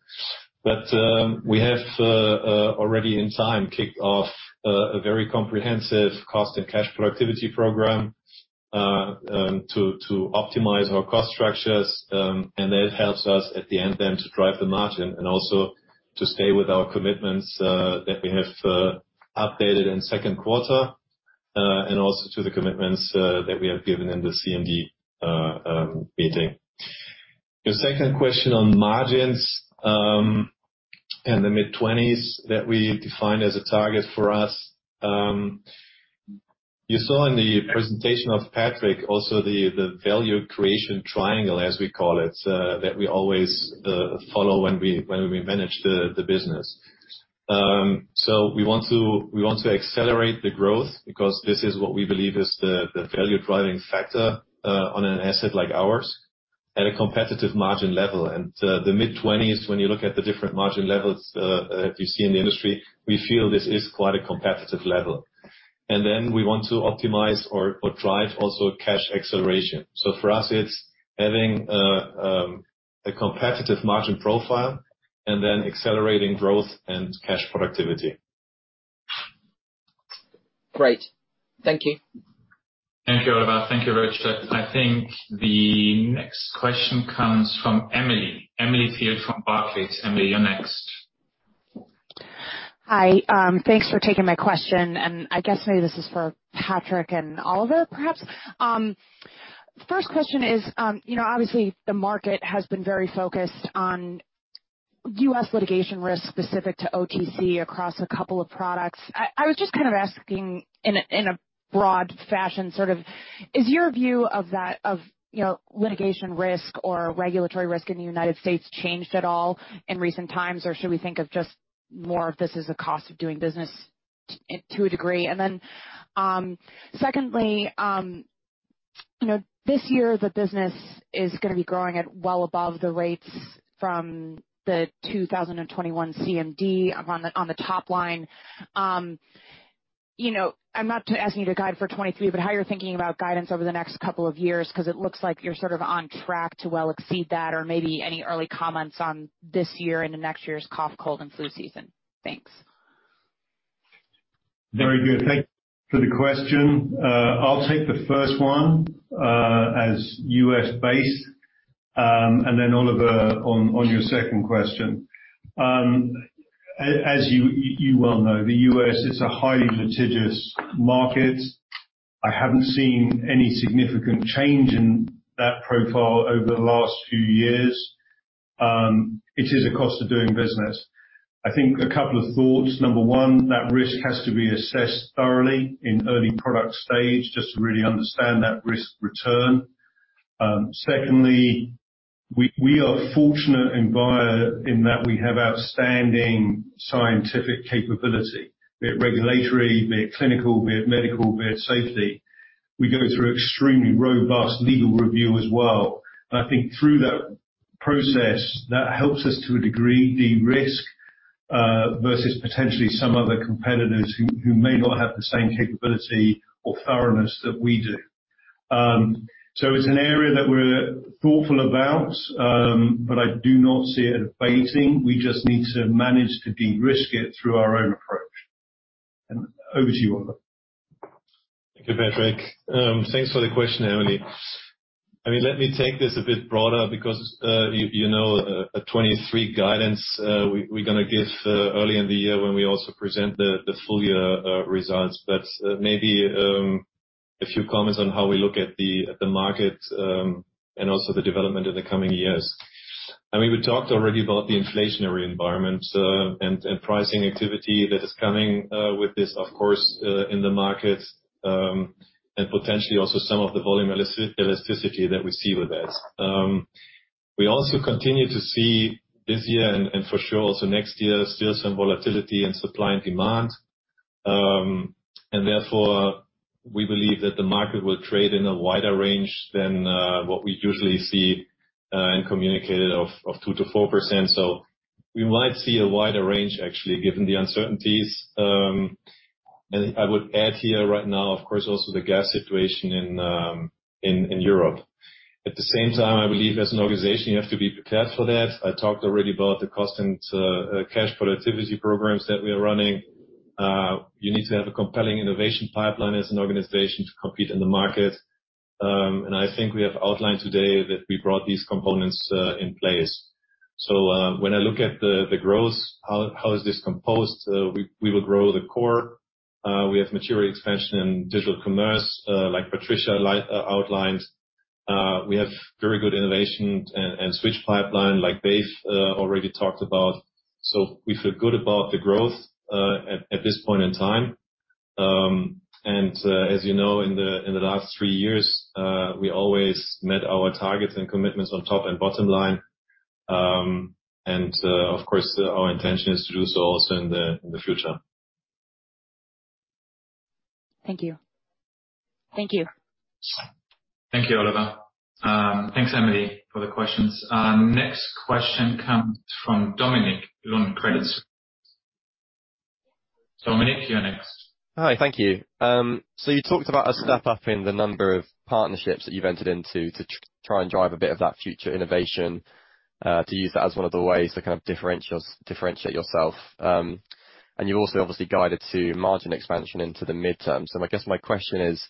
We have already in time kicked off a very comprehensive cost and cash flow activity program to optimize our cost structures. That helps us at the end then to drive the margin and also to stay with our commitments that we have updated in second quarter and also to the commitments that we have given in the CMD meeting. Your second question on margins and the mid-twenties that we defined as a target for us. You saw in the presentation of Patrick also the value creation triangle, as we call it, that we always follow when we manage the business. We want to accelerate the growth because this is what we believe is the value driving factor on an asset like ours at a competitive margin level. The mid-20s%, when you look at the different margin levels, you see in the industry, we feel this is quite a competitive level. We want to optimize or drive also cash acceleration. For us, it's having a competitive margin profile and then accelerating growth and cash productivity. Great. Thank you. Thank you, Oliver. Thank you, Richard. I think the next question comes from Emily. Emily Field from Barclays. Emily, you're next. Hi, thanks for taking my question, and I guess maybe this is for Patrick and Oliver, perhaps. First question is, you know, obviously, the market has been very focused on U.S. litigation risk specific to OTC across a couple of products. I was just kind of asking in a broad fashion, sort of is your view of that, of, you know, litigation risk or regulatory risk in the United States changed at all in recent times, or should we think of just more of this as a cost of doing business to a degree? And then, secondly, you know, this year the business is gonna be growing at well above the rates from the 2021 CMD on the top line. You know, I'm not asking you to guide for 2023, but how you're thinking about guidance over the next couple of years 'cause it looks like you're sort of on track to well exceed that or maybe any early comments on this year and the next year's cough, cold and flu season. Thanks. Very good. Thank you for the question. I'll take the first one, as U.S.-based, and then Oliver on your second question. As you well know, the U.S. is a highly litigious market. I haven't seen any significant change in that profile over the last few years. It is a cost of doing business. I think a couple of thoughts. Number one, that risk has to be assessed thoroughly in early product stage just to really understand that risk return. Secondly, we are fortunate in Bayer in that we have outstanding scientific capability, be it regulatory, be it clinical, be it medical, be it safety. We go through extremely robust legal review as well. I think through that process that helps us to a degree derisk versus potentially some other competitors who may not have the same capability or thoroughness that we do. So it's an area that we're thoughtful about, but I do not see it abating. We just need to manage to derisk it through our own approach. Over to you, Oliver. Thank you, Patrick. Thanks for the question, Emily. I mean, let me take this a bit broader because you know 2023 guidance we're gonna give early in the year when we also present the full year results. Maybe a few comments on how we look at the market and also the development in the coming years. I mean, we talked already about the inflationary environment and pricing activity that is coming with this, of course, in the market and potentially also some of the volume elasticity that we see with that. We also continue to see this year and for sure also next year, still some volatility in supply and demand. Therefore, we believe that the market will trade in a wider range than what we usually see and communicated of 2%-4%. We might see a wider range actually, given the uncertainties. I would add here right now, of course, also the gas situation in Europe. At the same time, I believe as an organization, you have to be prepared for that. I talked already about the cost and cash productivity programs that we are running. You need to have a compelling innovation pipeline as an organization to compete in the market. I think we have outlined today that we brought these components in place. When I look at the growth, how is this composed? We will grow the core. We have material expansion in digital commerce, like Patricia outlined. We have very good innovation and Switch pipeline, like Dave already talked about. We feel good about the growth at this point in time. As you know, in the last three years, we always met our targets and commitments on top and bottom line. Of course, our intention is to do so also in the future. Thank you. Thank you, Oliver. Thanks, Emily, for the questions. Our next question comes from Dominic Lunn, Credit Suisse. Dominic, you're next. Hi. Thank you. You talked about a step up in the number of partnerships that you've entered into to try and drive a bit of that future innovation, to use that as one of the ways to kind of differentiate yourself. You also obviously guided to margin expansion into the midterm. I guess my question is,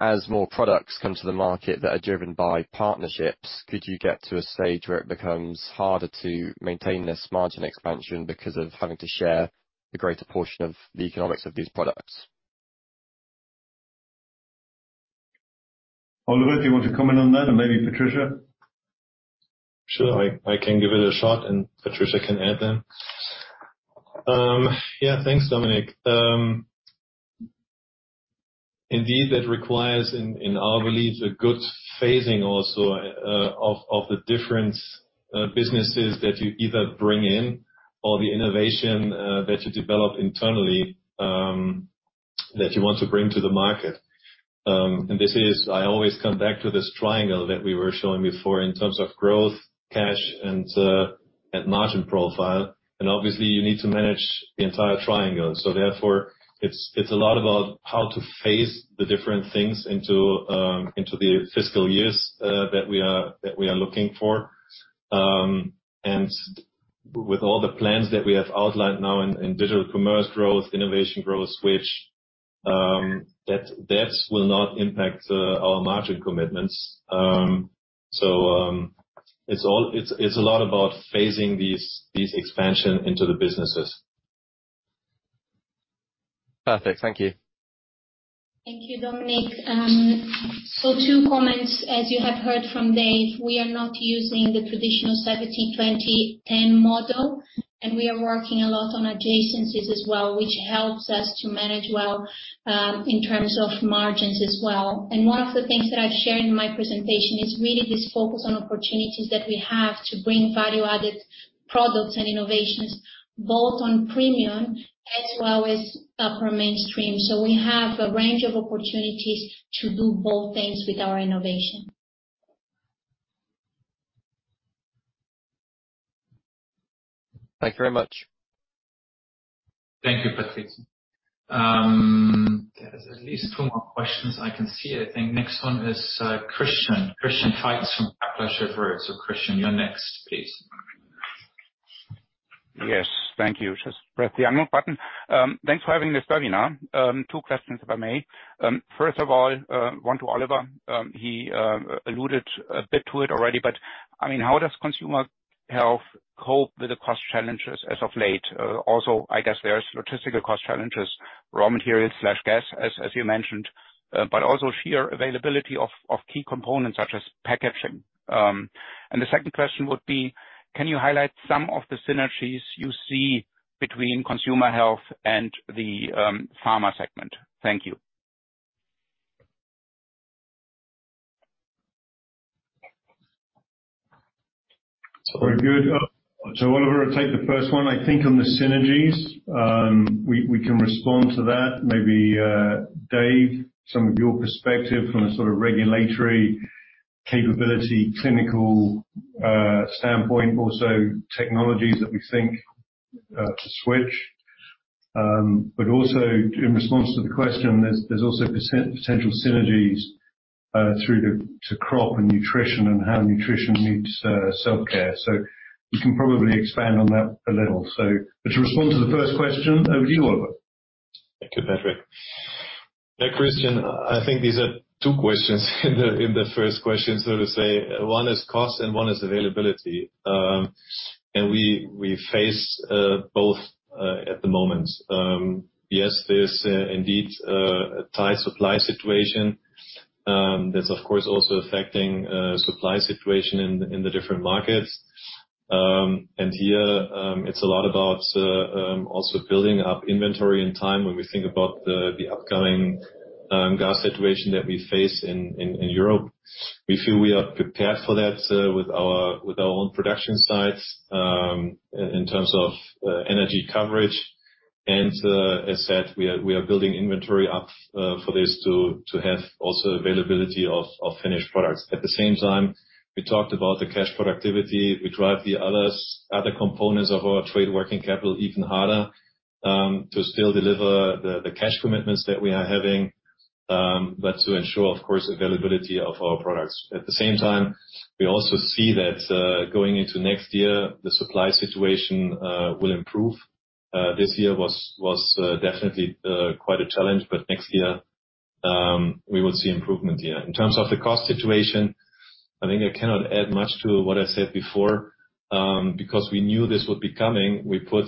as more products come to the market that are driven by partnerships, could you get to a stage where it becomes harder to maintain this margin expansion because of having to share the greater portion of the economics of these products? Oliver, do you want to comment on that and maybe Patricia? Sure. I can give it a shot, and Patricia can add then. Yeah. Thanks, Dominic. Indeed, that requires, in our belief, a good phasing also of the different businesses that you either bring in or the innovation that you develop internally that you want to bring to the market. This is. I always come back to this triangle that we were showing before in terms of growth, cash, and margin profile. Obviously, you need to manage the entire triangle. Therefore, it's a lot about how to phase the different things into the fiscal years that we are looking for. With all the plans that we have outlined now in digital commerce growth, innovation growth, Switch, that will not impact our margin commitments. It's a lot about phasing these expansion into the businesses. Perfect. Thank you. Thank you, Dominic. Two comments. As you have heard from Dave, we are not using the traditional 70/20/10 model, and we are working a lot on adjacencies as well, which helps us to manage well, in terms of margins as well. One of the things that I've shared in my presentation is really this focus on opportunities that we have to bring value-added products and innovations, both on premium as well as upper mainstream. We have a range of opportunities to do both things with our innovation. Thank you very much. Thank you, Patrick. There is at least two more questions I can see. I think next one is, Christian. Christian Faitz from Baader Helvea. Christian, you're next, please. Yes. Thank you. Just press the angle button. Thanks for having this webinar. Two questions, if I may. First of all, one to Oliver. He alluded a bit to it already, but I mean, how does Consumer Health cope with the cost challenges as of late? Also, I guess there are substantial cost challenges, raw materials/gas, as you mentioned, but also sheer availability of key components such as packaging. The second question would be, can you highlight some of the synergies you see between Consumer Health and the pharma segment? Thank you. Very good. Oliver will take the first one, I think, on the synergies. We can respond to that. Maybe Dave, some of your perspective from a sort of regulatory capability, clinical standpoint, also technologies that we think to switch. Also in response to the question, there's also potential synergies through the Crop Science and nutrition and how nutrition meets self-care. We can probably expand on that a little. To respond to the first question, over to you, Oliver. Thank you, Patrick. Christian, I think these are two questions in the first question, so to say. One is cost and one is availability. We face both at the moment. Yes, there's indeed a tight supply situation. That's of course also affecting supply situation in the different markets. Here, it's a lot about also building up inventory in time when we think about the upcoming gas situation that we face in Europe. We feel we are prepared for that with our own production sites in terms of energy coverage. As said, we are building inventory up for this to have also availability of finished products. At the same time, we talked about the cash productivity. We drive the other components of our trade working capital even harder, to still deliver the cash commitments that we are having, but to ensure, of course, availability of our products. At the same time, we also see that, going into next year, the supply situation will improve. This year was definitely quite a challenge, but next year, we will see improvement here. In terms of the cost situation, I think I cannot add much to what I said before. Because we knew this would be coming, we put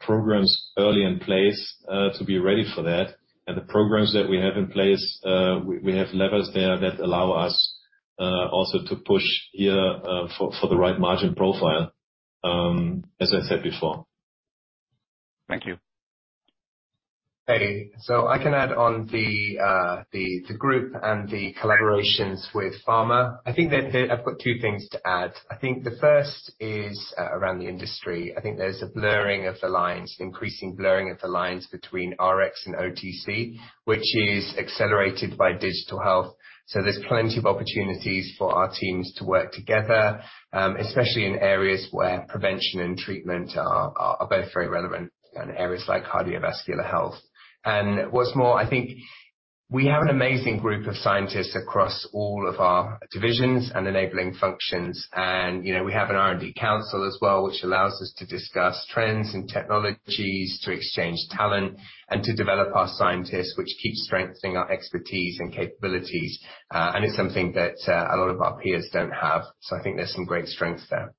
programs early in place to be ready for that. The programs that we have in place, we have levers there that allow us also to push here for the right margin profile, as I said before. Thank you. Hey. I can add on the group and the collaborations with pharma. I think I've got two things to add. I think the first is around the industry. I think there's a blurring of the lines, increasing blurring of the lines between Rx and OTC, which is accelerated by digital health. There's plenty of opportunities for our teams to work together, especially in areas where prevention and treatment are both very relevant in areas like cardiovascular health. What's more, I think we have an amazing group of scientists across all of our divisions and enabling functions. You know, we have an R&D council as well, which allows us to discuss trends and technologies, to exchange talent, and to develop our scientists, which keeps strengthening our expertise and capabilities. It's something that a lot of our peers don't have. I think there's some great strengths there.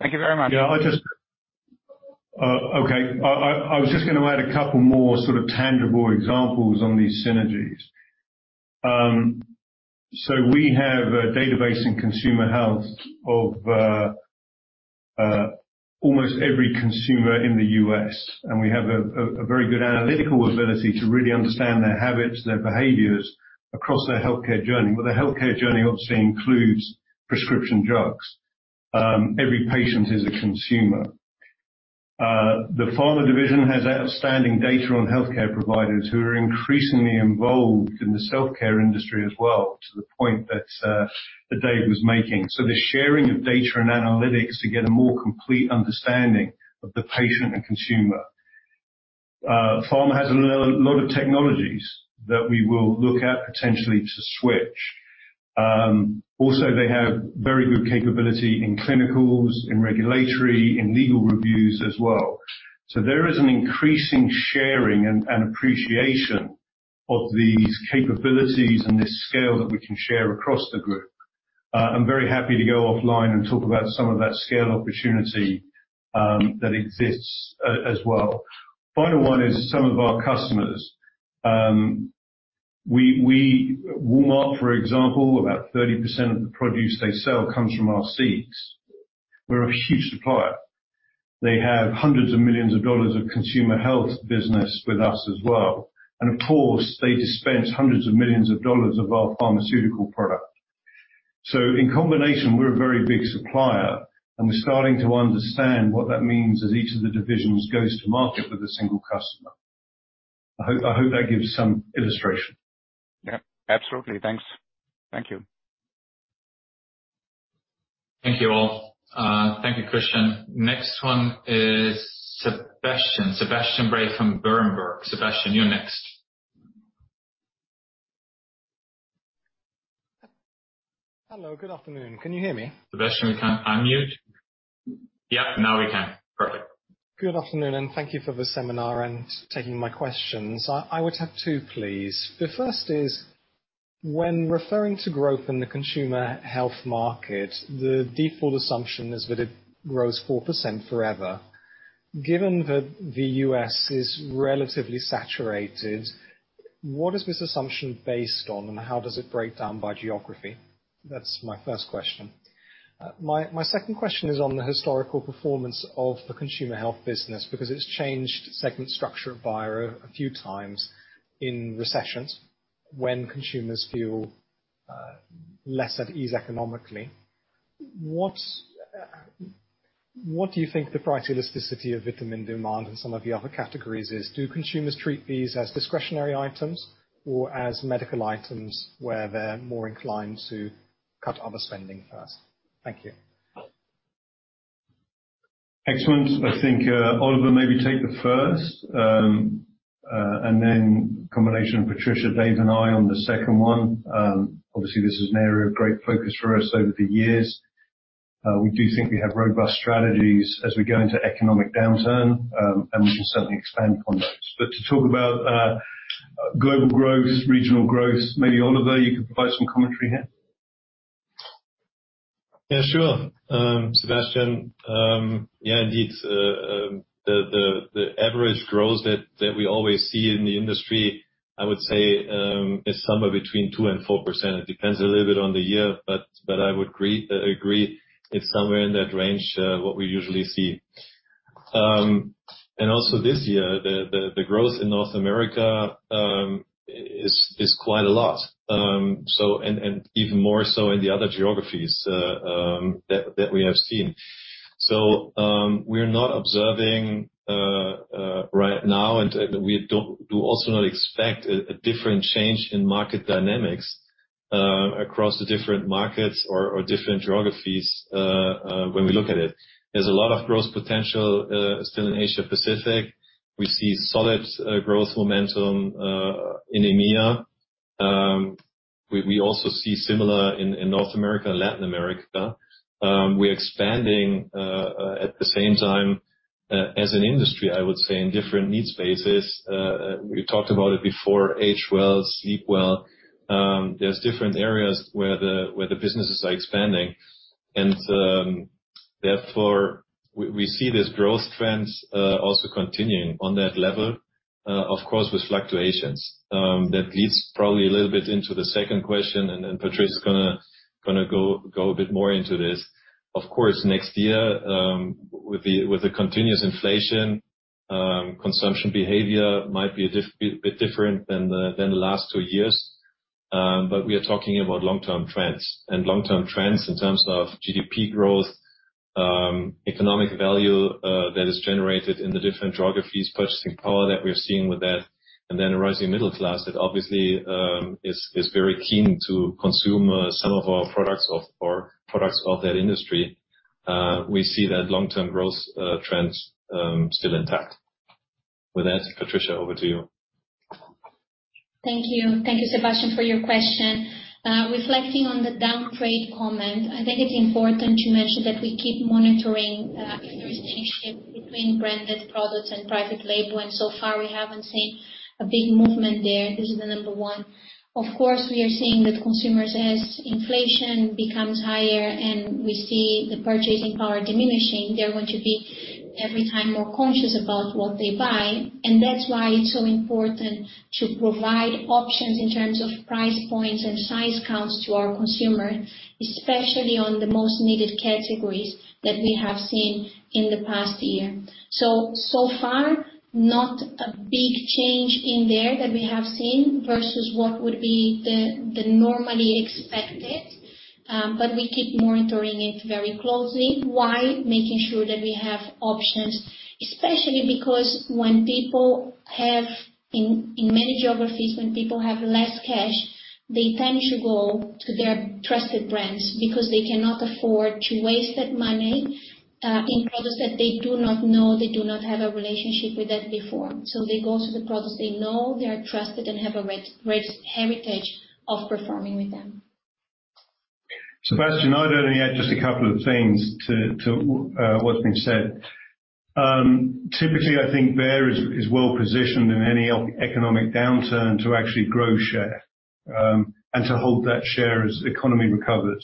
Thank you very much. I was just gonna add a couple more sort of tangible examples on these synergies. We have a database in Consumer Health of almost every consumer in the U.S., and we have a very good analytical ability to really understand their habits, their behaviors across their healthcare journey. The healthcare journey obviously includes prescription drugs. Every patient is a consumer. The pharma division has outstanding data on healthcare providers who are increasingly involved in the self-care industry as well, to the point that Dave was making. The sharing of data and analytics to get a more complete understanding of the patient and consumer. Pharma has a lot of technologies that we will look at potentially to switch. Also they have very good capability in clinicals, in regulatory, in legal reviews as well. There is an increasing sharing and appreciation of these capabilities and this scale that we can share across the group. I'm very happy to go offline and talk about some of that scale opportunity that exists as well. Final one is some of our customers. Walmart, for example, about 30% of the produce they sell comes from our seeds. We're a huge supplier. They have $hundreds of millions of consumer health business with us as well. Of course, they dispense $100 of millions of our pharmaceutical product. In combination, we're a very big supplier, and we're starting to understand what that means as each of the divisions goes to market with a single customer. I hope that gives some illustration. Yeah, absolutely. Thanks. Thank you. Thank you all. Thank you, Christian. Next one is Sebastian. Sebastian Bray from Berenberg. Sebastian, you're next. Hello, good afternoon. Can you hear me? Sebastian, we can't unmute. Yep, now we can. Perfect. Good afternoon, and thank you for the seminar and taking my questions. I would have two, please. The first is, when referring to growth in the consumer health market, the default assumption is that it grows 4% forever. Given that the U.S. is relatively saturated, what is this assumption based on, and how does it break down by geography? That's my first question. My second question is on the historical performance of the consumer health business, because it's changed segment structure of Bayer a few times in recessions. When consumers feel less at ease economically, what do you think the price elasticity of vitamin demand and some of the other categories is? Do consumers treat these as discretionary items or as medical items where they're more inclined to cut other spending first? Thank you. Excellent. I think, Oliver, maybe take the first, and then combination of Patricia, Dave, and I on the second one. Obviously, this is an area of great focus for us over the years. We do think we have robust strategies as we go into economic downturn, and we can certainly expand on those. To talk about, global growth, regional growth, maybe Oliver, you could provide some commentary here. Yeah, sure. Sebastian, yeah, indeed. The average growth that we always see in the industry, I would say, is somewhere between 2%-4%. It depends a little bit on the year, but I would agree it's somewhere in that range, what we usually see. Also this year, the growth in North America is quite a lot. Even more so in the other geographies that we have seen. We're not observing right now, and we do also not expect a different change in market dynamics across the different markets or different geographies when we look at it. There's a lot of growth potential still in Asia-Pacific. We see solid growth momentum in EMEA. We also see similar in North America and Latin America. We're expanding at the same time as an industry, I would say, in different need spaces. We talked about it before, age well, sleep well. There's different areas where the businesses are expanding, and therefore we see this growth trends also continuing on that level. Of course, with fluctuations. That leads probably a little bit into the second question, and then Patricia's gonna go a bit more into this. Of course, next year, with the continuous inflation, consumption behavior might be a bit different than the last two years. We are talking about long-term trends. Long-term trends in terms of GDP growth, economic value that is generated in the different geographies, purchasing power that we're seeing with that, and then a rising middle class that obviously is very keen to consume some of our products or products of that industry. We see that long-term growth trends still intact. With that, Patricia, over to you. Thank you. Thank you, Sebastian, for your question. Reflecting on the downgrade comment, I think it's important to mention that we keep monitoring if there's any shift between branded products and private label, and so far we haven't seen a big movement there. This is the number one. Of course, we are seeing that consumers, as inflation becomes higher and we see the purchasing power diminishing, they're going to be every time more conscious about what they buy. That's why it's so important to provide options in terms of price points and size counts to our consumer, especially on the most needed categories that we have seen in the past year. So far, not a big change in there that we have seen versus what would be the normally expected, but we keep monitoring it very closely. Why? Making sure that we have options, especially because in many geographies, when people have less cash, they tend to go to their trusted brands because they cannot afford to waste that money in products that they do not know, they do not have a relationship with that before. They go to the products they know, they are trusted and have a rich heritage of performing with them. Sebastian, I'd only add just a couple of things to what's been said. Typically, I think Bayer is well positioned in any economic downturn to actually grow share, and to hold that share as the economy recovers.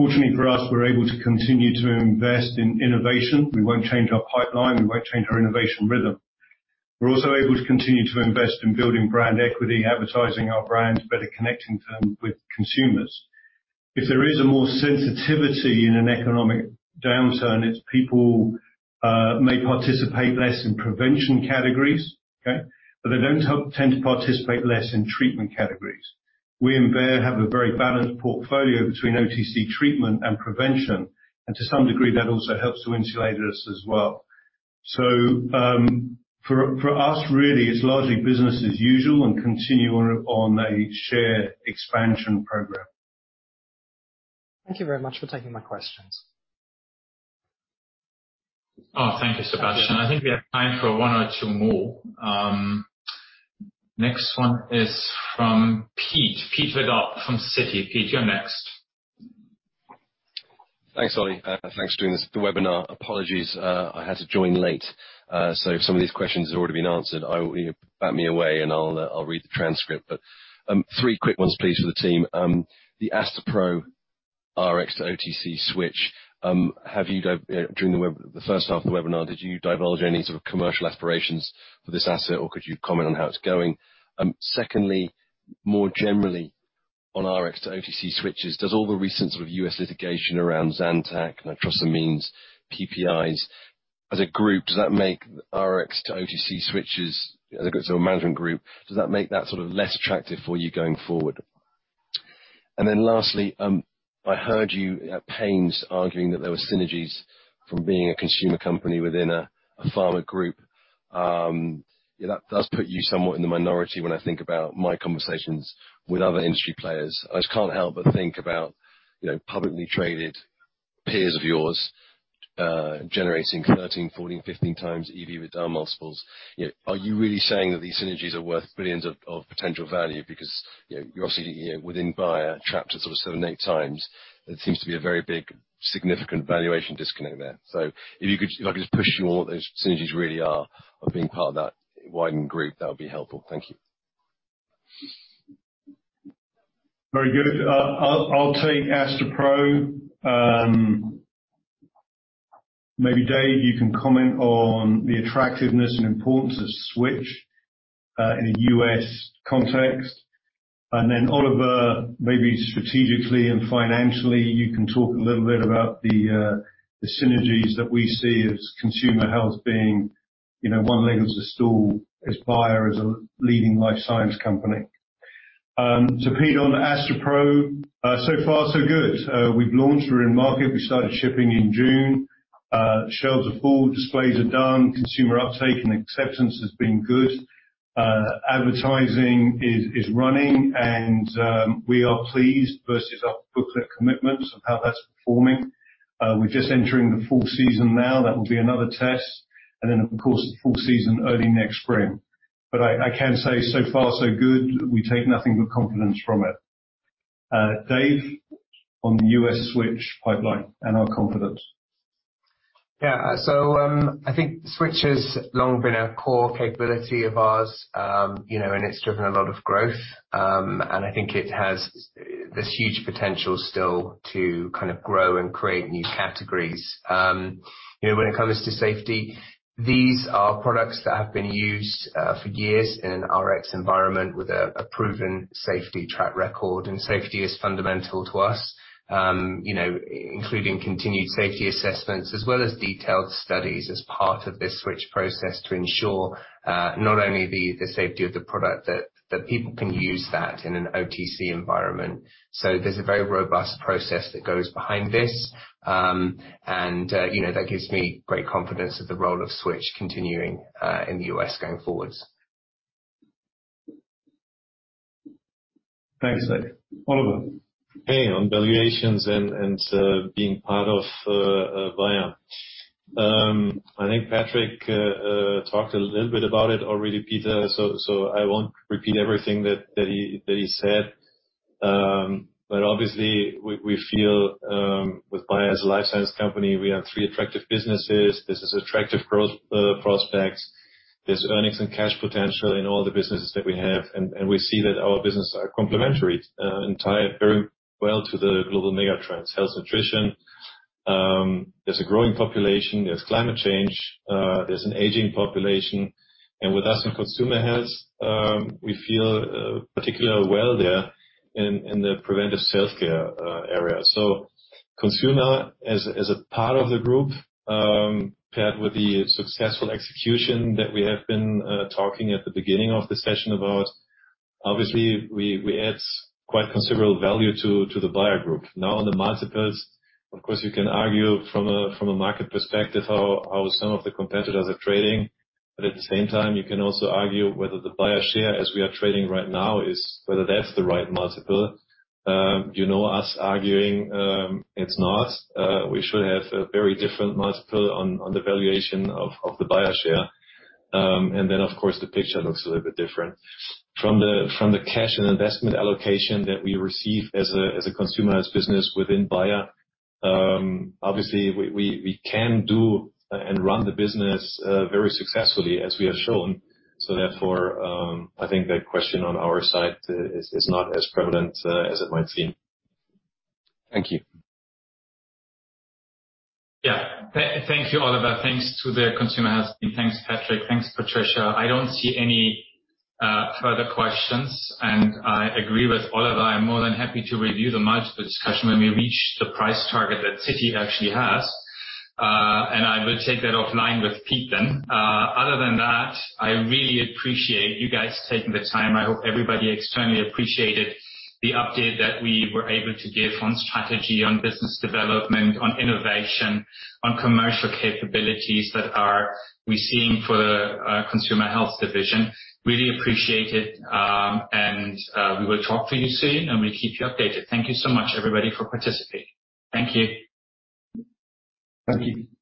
Fortunately for us, we're able to continue to invest in innovation. We won't change our pipeline, we won't change our innovation rhythm. We're also able to continue to invest in building brand equity, advertising our brands, better connecting them with consumers. If there is more sensitivity in an economic downturn, it's people may participate less in prevention categories, but they tend to participate less in treatment categories. We in Bayer have a very balanced portfolio between OTC treatment and prevention, and to some degree, that also helps to insulate us as well. For us, really, it's largely business as usual and continue on a shared expansion program. Thank you very much for taking my questions. Oh, thank you, Sebastian. I think we have time for one or two more. Next one is from Pete, Peter Verdult from Citi. Pete, you're next. Thanks, Ollie. Thanks for doing this, the webinar. Apologies, I had to join late. So if some of these questions have already been answered, bat them away and I'll read the transcript. Three quick ones, please, for the team. The Astepro Rx-to-OTC switch, have you during the first half of the webinar, did you divulge any sort of commercial aspirations for this asset, or could you comment on how it's going? Secondly, more generally on Rx-to-OTC switches, does all the recent sort of U.S. litigation around Zantac, and I trust it means PPIs, as a group, does that make Rx-to-OTC switches as a sort of management group, does that make that sort of less attractive for you going forward? Lastly, I heard you at Pains arguing that there were synergies from being a consumer company within a pharma group. That does put you somewhat in the minority when I think about my conversations with other industry players. I just can't help but think about, you know, publicly traded peers of yours generating 13x-15x EV multiples. You know, are you really saying that these synergies are worth billions EUR of potential value? Because, you know, you're obviously within Bayer at sort of 7x-8x. There seems to be a very big significant valuation disconnect there. If I could just push you on what those synergies really are of being part of that wider group, that would be helpful. Thank you. Very good. I'll take Astepro. Maybe Dave, you can comment on the attractiveness and importance of switch in a US context. Then Oliver, maybe strategically and financially, you can talk a little bit about the synergies that we see as consumer health being, you know, one leg of the stool as Bayer, as a leading life science company. Pete, on Astepro, so far, so good. We've launched, we're in market. We started shipping in June. Shelves are full, displays are done, consumer uptake and acceptance has been good. Advertising is running, and we are pleased versus our bucket commitments of how that's performing. We're just entering the fall season now. That will be another test. Then, of course, the fall season early next spring. I can say so far, so good. We take nothing but confidence from it. Dave, on the U.S. switch pipeline and our confidence. Yeah. I think switch has long been a core capability of ours, you know, and it's driven a lot of growth. I think it has this huge potential still to kind of grow and create new categories. You know, when it comes to safety, these are products that have been used, for years in an Rx environment with a proven safety track record. Safety is fundamental to us, you know, including continued safety assessments, as well as detailed studies as part of this switch process to ensure, not only the safety of the product, that people can use that in an OTC environment. There's a very robust process that goes behind this. You know, that gives me great confidence of the role of switch continuing, in the US going forwards. Thanks, Dave. Oliver. Hey, on valuations and being part of Bayer. I think Patrick talked a little bit about it already, Peter, so I won't repeat everything that he said. Obviously we feel with Bayer as a life sciences company, we have three attractive businesses. This is attractive growth prospects. There's earnings and cash potential in all the businesses that we have. We see that our businesses are complementary and tie up very well to the global mega trends, health, nutrition. There's a growing population, there's climate change, there's an aging population. With us in Consumer Health, we feel particularly well there in the preventive self-care area. Consumer Health as a part of the group, paired with the successful execution that we have been talking at the beginning of the session about, obviously we add quite considerable value to the Bayer group. Now on the multiples, of course, you can argue from a market perspective how some of the competitors are trading. At the same time you can also argue whether the Bayer share as we are trading right now is whether that's the right multiple. You know, us arguing, it's not. We should have a very different multiple on the valuation of the Bayer share. Of course, the picture looks a little bit different. From the cash and investment allocation that we receive as a consumer health business within Bayer, obviously we can do and run the business very successfully as we have shown. Therefore, I think that question on our side is not as prevalent as it might seem. Thank you. Yeah. Thank you, Oliver. Thanks to the consumer health team. Thanks, Patrick. Thanks, Patricia. I don't see any further questions. I agree with Oliver, I'm more than happy to review the multiple discussion when we reach the price target that Citi actually has. Other than that, I really appreciate you guys taking the time. I hope everybody externally appreciated the update that we were able to give on strategy, on business development, on innovation, on commercial capabilities that we're seeing for the consumer health division. Really appreciate it. We will talk to you soon, and we'll keep you updated. Thank you so much everybody for participating. Thank you. Thank you.